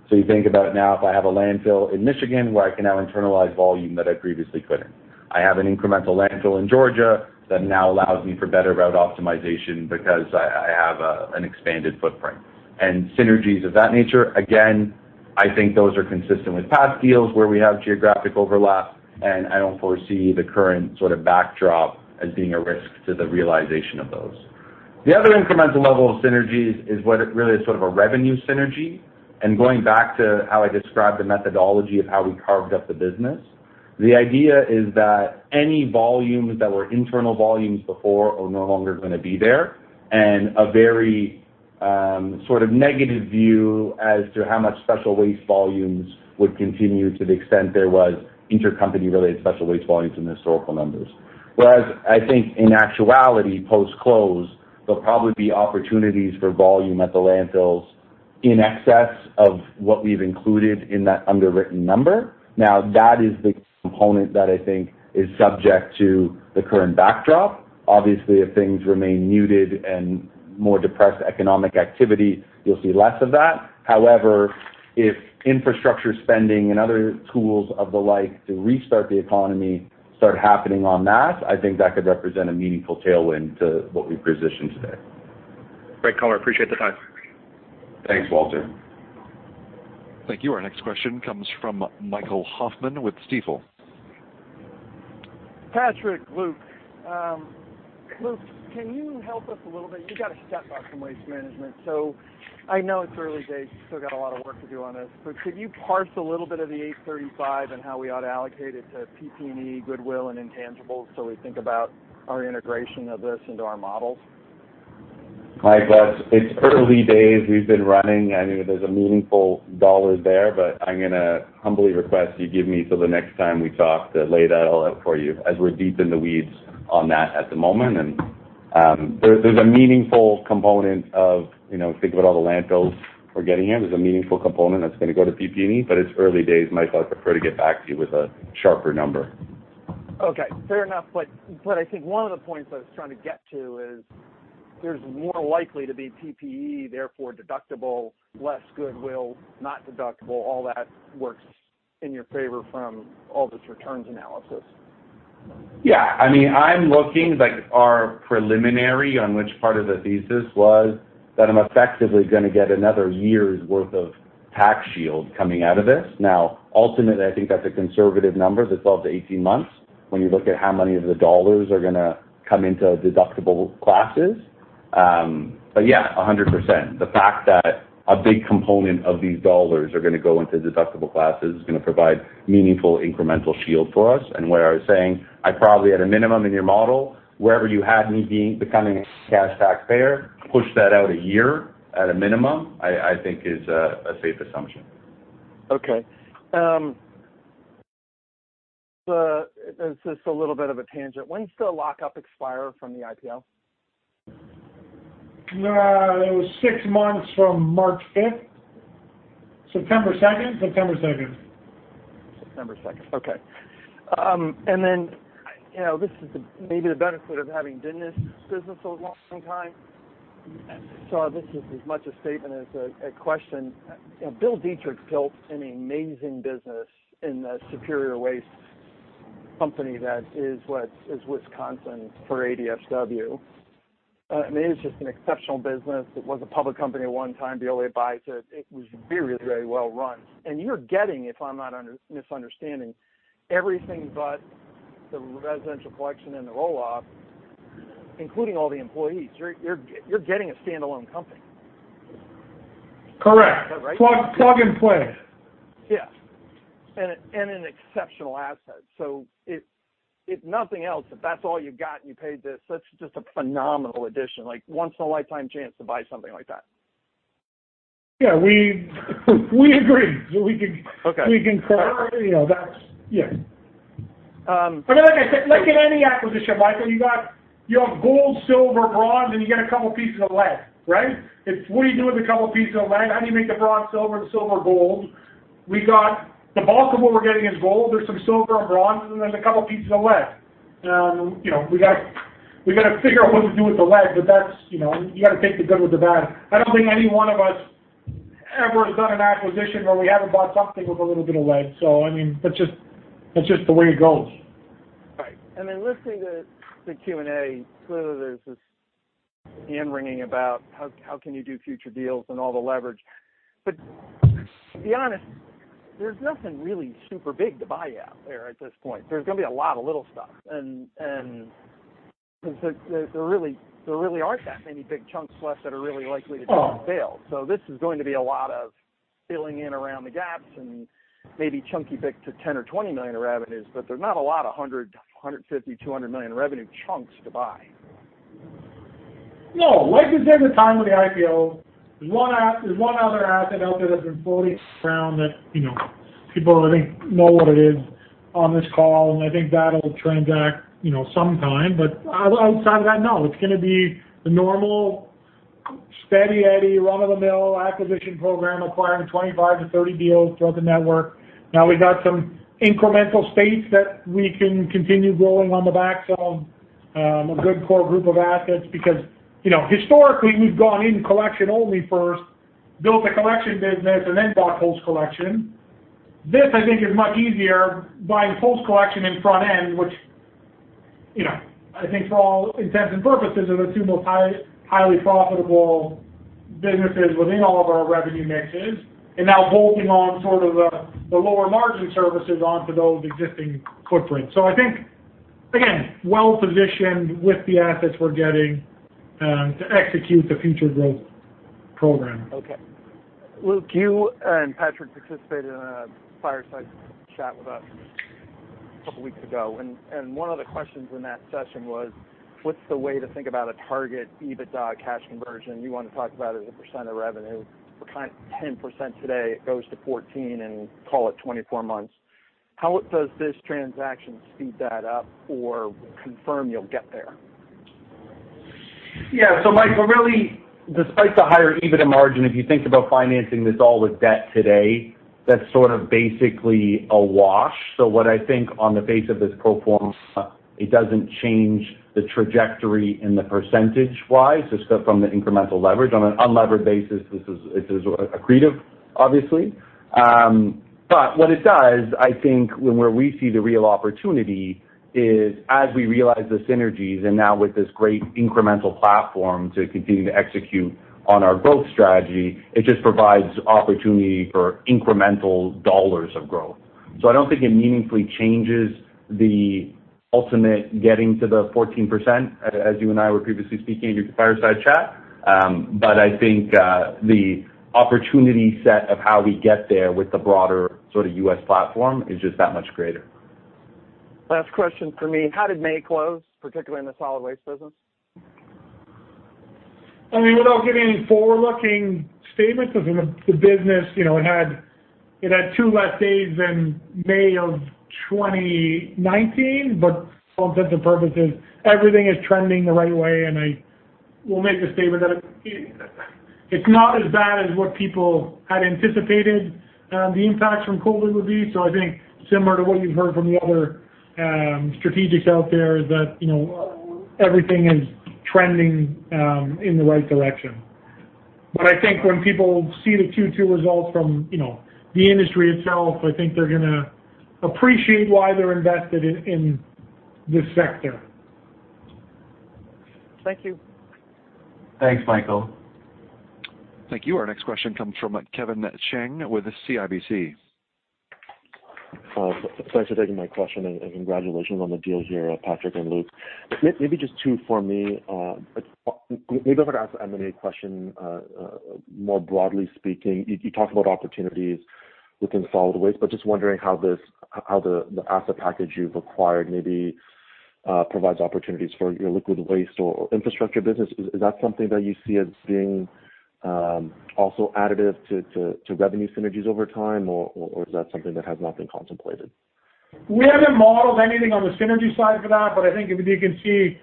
You think about now if I have a landfill in Michigan where I can now internalize volume that I previously couldn't. I have an incremental landfill in Georgia that now allows me for better route optimization because I have an expanded footprint. Synergies of that nature, again, I think those are consistent with past deals where we have geographic overlap, and I don't foresee the current sort of backdrop as being a risk to the realization of those. The other incremental level of synergies is what really is sort of a revenue synergy, and going back to how I described the methodology of how we carved up the business. The idea is that any volumes that were internal volumes before are no longer going to be there, and a very sort of negative view as to how much special waste volumes would continue to the extent there was intercompany-related special waste volumes in the historical numbers. I think in actuality, post-close, there'll probably be opportunities for volume at the landfills in excess of what we've included in that underwritten number. Now, that is the component that I think is subject to the current backdrop. Obviously, if things remain muted and more depressed economic activity, you'll see less of that. However, if infrastructure spending and other tools of the like to restart the economy start happening en masse, I think that could represent a meaningful tailwind to what we've positioned today. Great color. Appreciate the time. Thanks, Walter. Thank you. Our next question comes from Michael Hoffman with Stifel. Patrick, Luke. Luke, can you help us a little bit? You got to step up from Waste Management. I know it's early days, you still got a lot of work to do on this, but could you parse a little bit of the $835 and how we ought to allocate it to PP&E, goodwill, and intangibles so we think about our integration of this into our models? Mike, it's early days. We've been running. I know there's a meaningful dollar there, but I'm going to humbly request you give me till the next time we talk to lay that all out for you as we're deep in the weeds on that at the moment. There's a meaningful component of, think about all the landfills we're getting here. There's a meaningful component that's going to go to PP&E, but it's early days, Mike. I'd prefer to get back to you with a sharper number. Fair enough, I think one of the points I was trying to get to is there's more likely to be PP&E, therefore deductible, less goodwill, not deductible. All that works in your favor from all this returns analysis. Yeah. I'm looking, like our preliminary on which part of the thesis was that I'm effectively going to get another year's worth of tax shield coming out of this. Ultimately, I think that's a conservative number, the 12-18 months, when you look at how many of the dollars are going to come into deductible classes. Yeah, 100%. The fact that a big component of these dollars are going to go into deductible classes is going to provide meaningful incremental shield for us. Where I was saying I probably at a minimum in your model, wherever you had me becoming a cash taxpayer, push that out a year at a minimum, I think is a safe assumption. Okay. This is a little bit of a tangent. When does the lock-up expire from the IPO? It was six months from March 5th. September 2nd? September 2nd. September 2nd. Okay. This is maybe the benefit of having been in this business a long time. This is as much a statement as a question. Bill Dietrich built an amazing business in the Superior Services company that is Wisconsin for ADSW. I mean, it's just an exceptional business. It was a public company at one time, Veolia buys it. It was very well run. You're getting, if I'm not misunderstanding, everything but the residential collection and the roll-off, including all the employees. You're getting a standalone company. Correct. Is that right? Plug and play. Yeah. An exceptional asset. If nothing else, if that's all you got and you paid this, that's just a phenomenal addition. Once in a lifetime chance to buy something like that. Yeah. We agree. Okay. We concur. Yes. Like I said, like in any acquisition, Michael, you have gold, silver, bronze, and you get a couple pieces of lead, right? It's what do you do with a couple pieces of lead? How do you make the bronze silver and the silver gold? We got the bulk of what we're getting is gold, there's some silver and bronze, and then there's a couple pieces of lead. We've got to figure out what to do with the lead, but you got to take the good with the bad. I don't think any one of us ever has done an acquisition where we haven't bought something with a little bit of lead, that's just the way it goes. Right. Listening to the Q&A, clearly there's this hand-wringing about how can you do future deals and all the leverage. To be honest, there's nothing really super big to buy out there at this point. There's going to be a lot of little stuff, and there really aren't that many big chunks left that are really likely to fail. This is going to be a lot of filling in around the gaps and maybe chunky bits of $10 million or $20 million of revenues, but there are not a lot of $100 million, $150 million, $200 million revenue chunks to buy. No. Like we said at the time of the IPO, there's one other asset out there that's been floating around that people, I think, know what it is on this call, and I think that'll transact sometime. Outside of that, no, it's going to be the normal steady Eddie run-of-the-mill acquisition program acquiring 25-30 deals throughout the network. Now we've got some incremental space that we can continue growing on the back of a good core group of assets because historically, we've gone in collection only first, built a collection business, and then bought post collection. This, I think, is much easier buying post collection and front end, which I think for all intents and purposes are the two most highly profitable businesses within all of our revenue mixes. Now bolting on sort of the lower margin services onto those existing footprints. I think, again, well-positioned with the assets we're getting to execute the future growth program. Okay. Luke, you and Patrick participated in a fireside chat with us a couple weeks ago. One of the questions in that session was, what's the way to think about a target EBITDA cash conversion? You want to talk about it as a percentage of revenue. We're 10% today, it goes to 14% in call it 24 months. How does this transaction speed that up or confirm you'll get there? Yeah. Michael, really, despite the higher EBITDA margin, if you think about financing this all with debt today, that's sort of basically a wash. What I think on the face of this pro forma, it doesn't change the trajectory in the percentage-wise, just from the incremental leverage. On an unlevered basis, it is accretive, obviously. What it does, I think where we see the real opportunity is as we realize the synergies and now with this great incremental platform to continue to execute on our growth strategy, it just provides opportunity for incremental dollars of growth. I don't think it meaningfully changes the ultimate getting to the 14%, as you and I were previously speaking in your fireside chat. I think the opportunity set of how we get there with the broader U.S. platform is just that much greater. Last question from me. How did May close, particularly in the solid waste business? Without giving any forward-looking statements, because the business, it had two less days than May of 2019, but for all intents and purposes, everything is trending the right way, and I will make the statement that it's not as bad as what people had anticipated the impacts from COVID would be. I think similar to what you've heard from the other strategics out there, that everything is trending in the right direction. I think when people see the Q2 results from the industry itself, I think they're going to appreciate why they're invested in this sector. Thank you. Thanks, Michael. Thank you. Our next question comes from Kevin Chiang with CIBC. Thanks for taking my question and congratulations on the deal here, Patrick and Luke. Maybe just two for me. Maybe I'll ask an M&A question. More broadly speaking, you talk about opportunities within solid waste, but just wondering how the asset package you've acquired maybe provides opportunities for your liquid waste or infrastructure business. Is that something that you see as being also additive to revenue synergies over time, or that something that has not been contemplated? We haven't modeled anything on the synergy side for that, but I think if you can see,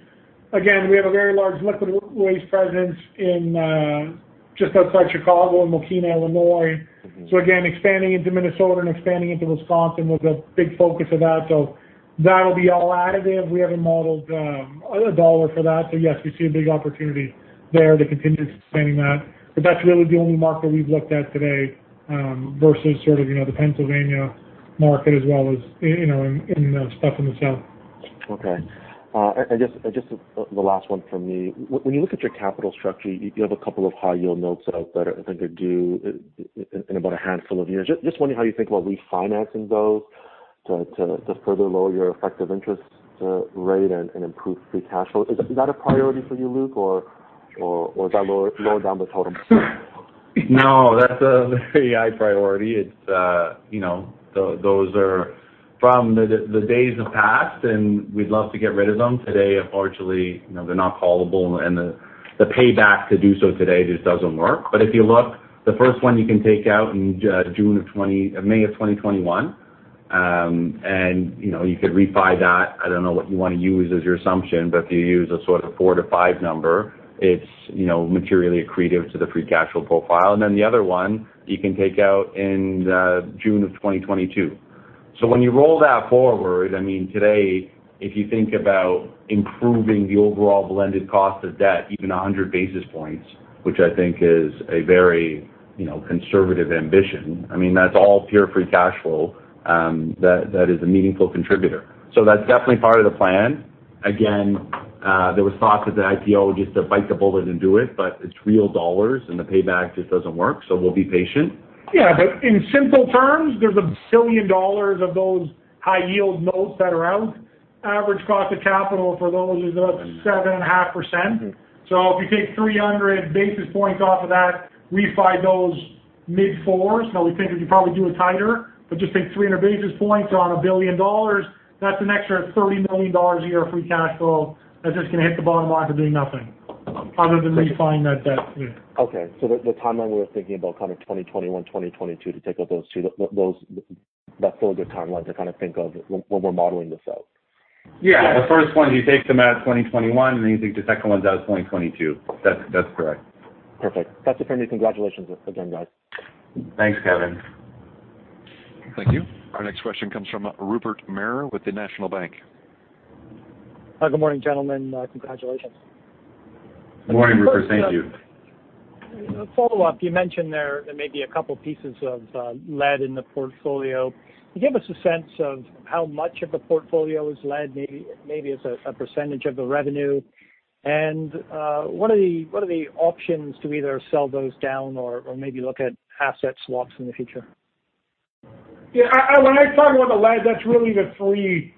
again, we have a very large liquid waste presence just outside Chicago in Mokena, Illinois. Again, expanding into Minnesota and expanding into Wisconsin was a big focus of that. That'll be all additive. We haven't modeled a dollar for that. Yes, we see a big opportunity there to continue expanding that. That's really the only market we've looked at today, versus sort of the Pennsylvania market as well as in the South. Okay. Just the last one from me. When you look at your capital structure, you have a couple of high-yield notes that are due in about a handful of years. Just wondering how you think about refinancing those to further lower your effective interest rate and improve free cash flow. Is that a priority for you, Luke, or does that lower down the totem pole? No, that's a very high priority. Those are from the days of past, and we'd love to get rid of them. Today, unfortunately, they're not callable, and the payback to do so today just doesn't work. If you look, the first one you can take out in May of 2021. You could refi that. I don't know what you want to use as your assumption, but if you use a sort of four to five number, it's materially accretive to the free cash flow profile. The other one you can take out in June of 2022. When you roll that forward, today, if you think about improving the overall blended cost of debt, even 100 basis points, which I think is a very conservative ambition, that's all pure free cash flow that is a meaningful contributor. That's definitely part of the plan. Again, there was thought that the IPO would just bite the bullet and do it, but it's real dollars and the payback just doesn't work, so we'll be patient. Yeah. In simple terms, there's a $1 billion of those high-yield notes that are out. Average cost of capital for those is about 7.5%. If you take 300 basis points off of that, refi those mid-fours. Now we think we could probably do it tighter, but just take 300 basis points on a $1 billion. That's an extra $30 million a year of free cash flow that's just going to hit the bottom line for doing nothing other than refinancing that debt. Okay. The timeline we were thinking about kind of 2021, 2022 to take out those two. That's still a good timeline to think of when we're modeling this out? Yeah. The first one you take them out 2021, and then you take the second ones out 2022. That's correct. Perfect. That's it for me. Congratulations again, guys. Thanks, Kevin. Thank you. Our next question comes from Rupert Merer with the National Bank. Good morning, gentlemen. Congratulations. Good morning, Rupert. Thank you. A follow-up. You mentioned there may be a two pieces of Laidlaw in the portfolio. Can you give us a sense of how much of the portfolio is Laidlaw, maybe as a percentage of the revenue? What are the options to either sell those down or maybe look at asset swaps in the future? When I talk about the lead, that's really the three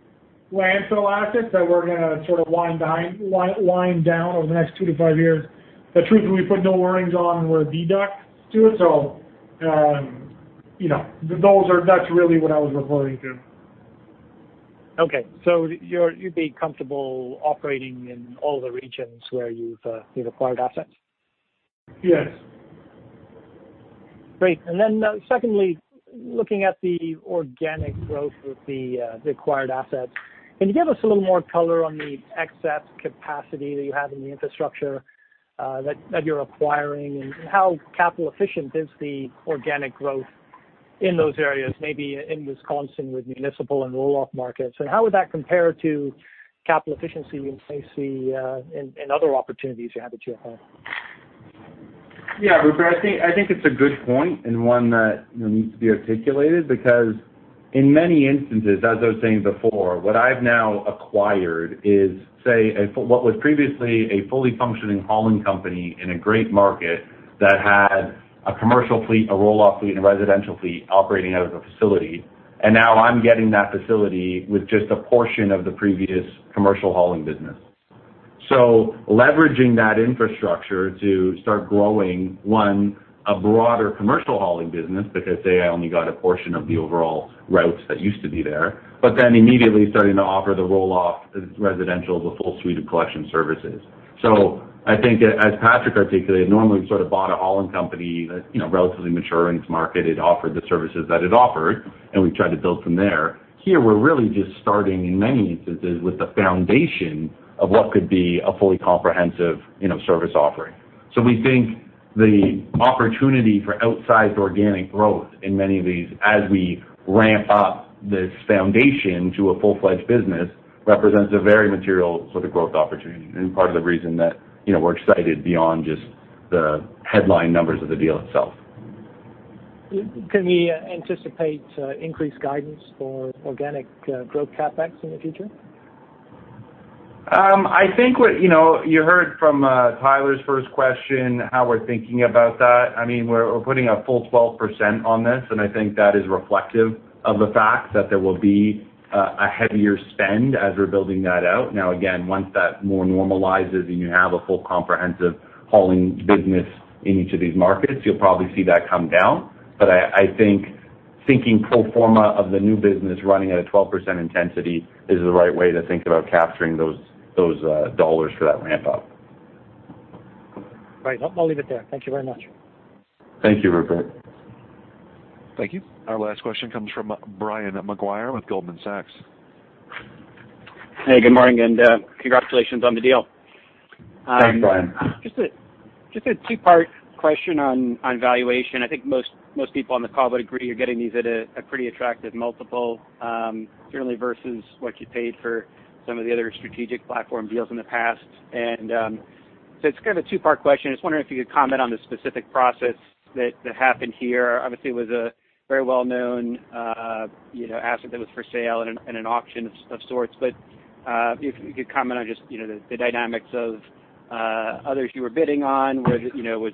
landfill assets that we're going to sort of wind down over the next two to five years, that truthfully we put no earnings on and we're deduct to it. That's really what I was referring to. Okay. You'd be comfortable operating in all the regions where you've acquired assets? Yes. Great. Secondly, looking at the organic growth with the acquired assets, can you give us a little more color on the excess capacity that you have in the infrastructure that you're acquiring? How capital efficient is the organic growth in those areas, maybe in Wisconsin with municipal and roll-off markets? How would that compare to capital efficiency in other opportunities you have at GFL? Yeah, Rupert, I think it's a good point and one that needs to be articulated because in many instances, as I was saying before, what I've now acquired is, say, what was previously a fully functioning hauling company in a great market that had a commercial fleet, a roll-off fleet, and a residential fleet operating out of the facility. Now I'm getting that facility with just a portion of the previous commercial hauling business. Leveraging that infrastructure to start growing, one, a broader commercial hauling business, because, say, I only got a portion of the overall routes that used to be there, immediately starting to offer the roll-off residential, the full suite of collection services. I think as Patrick articulated, normally we've sort of bought a hauling company that's relatively mature in its market. It offered the services that it offered, and we tried to build from there. Here we're really just starting in many instances with the foundation of what could be a fully comprehensive service offering. We think the opportunity for outsized organic growth in many of these as we ramp up this foundation to a full-fledged business represents a very material sort of growth opportunity and part of the reason that we're excited beyond just the headline numbers of the deal itself. Can we anticipate increased guidance for organic growth CapEx in the future? You heard from Tyler's first question how we're thinking about that. We're putting a full 12% on this, and I think that is reflective of the fact that there will be a heavier spend as we're building that out. Now, again, once that more normalizes and you have a full comprehensive hauling business in each of these markets, you'll probably see that come down. I think thinking pro forma of the new business running at a 12% intensity is the right way to think about capturing those dollars for that ramp up. Right. I'll leave it there. Thank you very much. Thank you, Rupert. Thank you. Our last question comes from Brian Maguire with Goldman Sachs. Hey, good morning, and congratulations on the deal. Thanks, Brian. Just a two-part question on valuation. I think most people on the call would agree you're getting these at a pretty attractive multiple certainly versus what you paid for some of the other strategic platform deals in the past. It's kind of a two-part question. I was wondering if you could comment on the specific process that happened here. Obviously, it was a very well-known asset that was for sale and an auction of sorts. If you could comment on just the dynamics of others you were bidding on. Was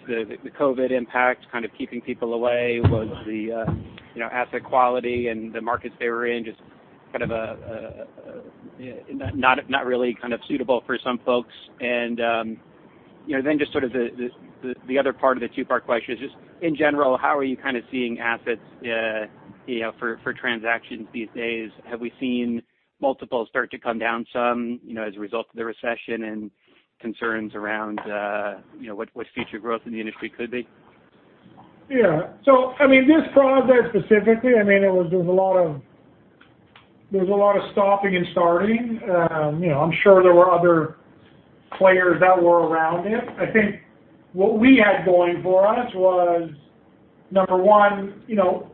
the COVID impact keeping people away? Was the asset quality and the markets they were in just not really suitable for some folks? Then just the other part of the two-part question is just, in general, how are you seeing assets for transactions these days? Have we seen multiples start to come down some as a result of the recession and concerns around what future growth in the industry could be? Yeah. This project specifically, there was a lot of stopping and starting. I'm sure there were other players that were around it. I think what we had going for us was, number one,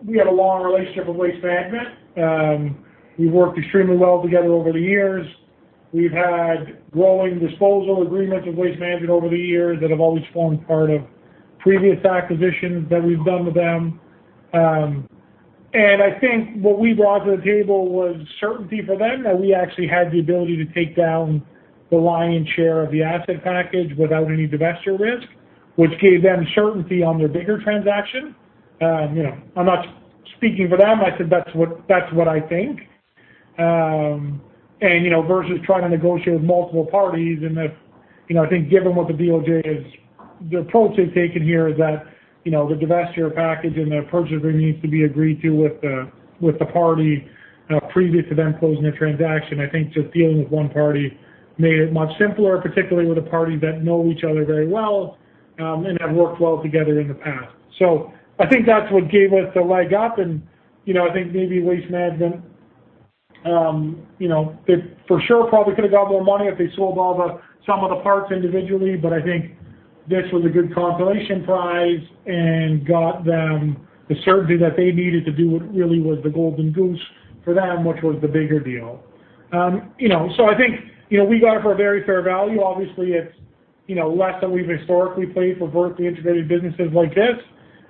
we had a long relationship with Waste Management. We worked extremely well together over the years. We've had growing disposal agreements with Waste Management over the years that have always formed part of previous acquisitions that we've done with them. I think what we brought to the table was certainty for them that we actually had the ability to take down the lion's share of the asset package without any divestiture risk, which gave them certainty on their bigger transaction. I'm not speaking for them. I said that's what I think. Versus trying to negotiate with multiple parties, I think given what the DOJ has-- the approach they've taken here is that the divestiture package and the purchase agreement needs to be agreed to with the party previous to them closing the transaction. I think just dealing with one party made it much simpler, particularly with the parties that know each other very well, and have worked well together in the past. I think that's what gave us a leg up, and I think maybe Waste Management, for sure probably could've got more money if they sold some of the parts individually, but I think this was a good compilation prize and got them the certainty that they needed to do what really was the golden goose for them, which was the bigger deal. I think we got it for a very fair value. Obviously, it's less than we've historically paid for vertically integrated businesses like this.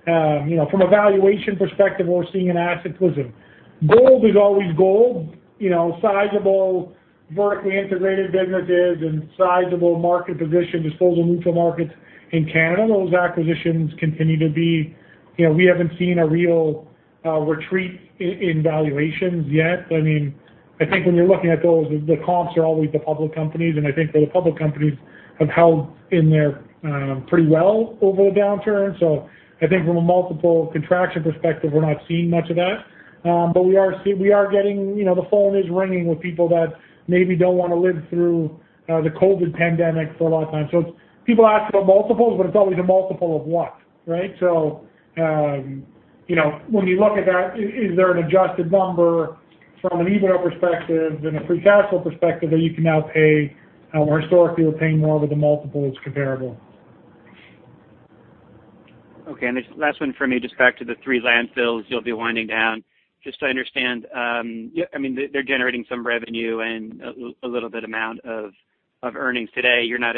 From a valuation perspective, we're seeing an asset class of gold is always gold, sizable vertically integrated businesses and sizable market position disposal municipal markets in Canada. We haven't seen a real retreat in valuations yet. I think when you're looking at those, the comps are always the public companies. I think that the public companies have held in there pretty well over the downturn. I think from a multiple contraction perspective, we're not seeing much of that. The phone is ringing with people that maybe don't want to live through the COVID pandemic for a long time. People ask about multiples, it's always a multiple of what, right? When we look at that, is there an adjusted number from an EBITDA perspective and a free cash flow perspective that you can now pay where historically you were paying more with a multiple that's comparable. Okay. This last one from me, just back to the three landfills you'll be winding down. Just to understand, they're generating some revenue and a little bit amount of earnings today. You're not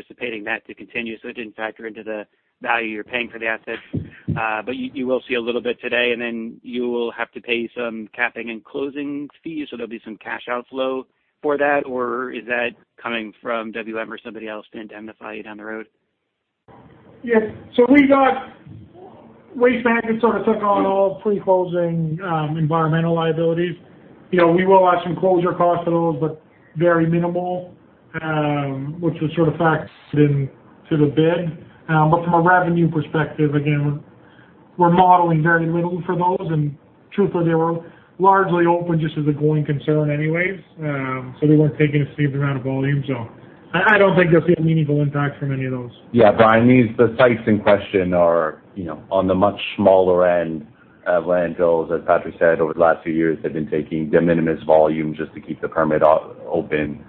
anticipating that to continue, so it didn't factor into the value you're paying for the assets. You will see a little bit today, and then you will have to pay some capping and closing fees, so there'll be some cash outflow for that? Is that coming from WM or somebody else to indemnify you down the road? We got Waste Management sort of took on all pre-closing environmental liabilities. We will have some closure costs for those, but very minimal, which was sort of factored into the bid. From a revenue perspective, again, we're modeling very little for those, and truthfully, they were largely open just as a going concern anyways. They weren't taking a significant amount of volume. I don't think you'll see a meaningful impact from any of those. Yeah, Brian, the sites in question are on the much smaller end of landfills. As Patrick said, over the last few years, they've been taking de minimis volume just to keep the permit open.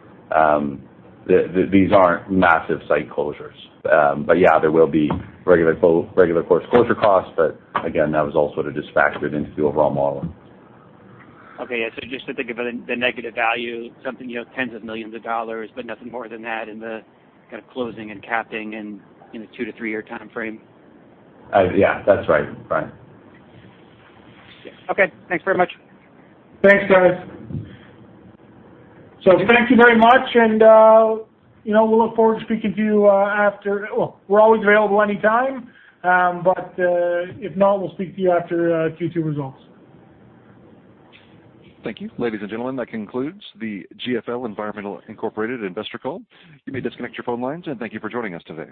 These aren't massive site closures. Yeah, there will be regular course closure costs, but again, that was all sort of just factored into the overall modeling. Okay. Yeah. Just to think of the negative value, something tens of millions of dollars, but nothing more than that in the kind of closing and capping in a two to three-year timeframe. Yeah. That's right, Brian. Okay. Thanks very much. Thanks, guys. Thank you very much, and we'll look forward to speaking to you after. Well, we're always available anytime. If not, we'll speak to you after Q2 results. Thank you. Ladies and gentlemen, that concludes the GFL Environmental Inc. investor call. You may disconnect your phone lines, and thank you for joining us today.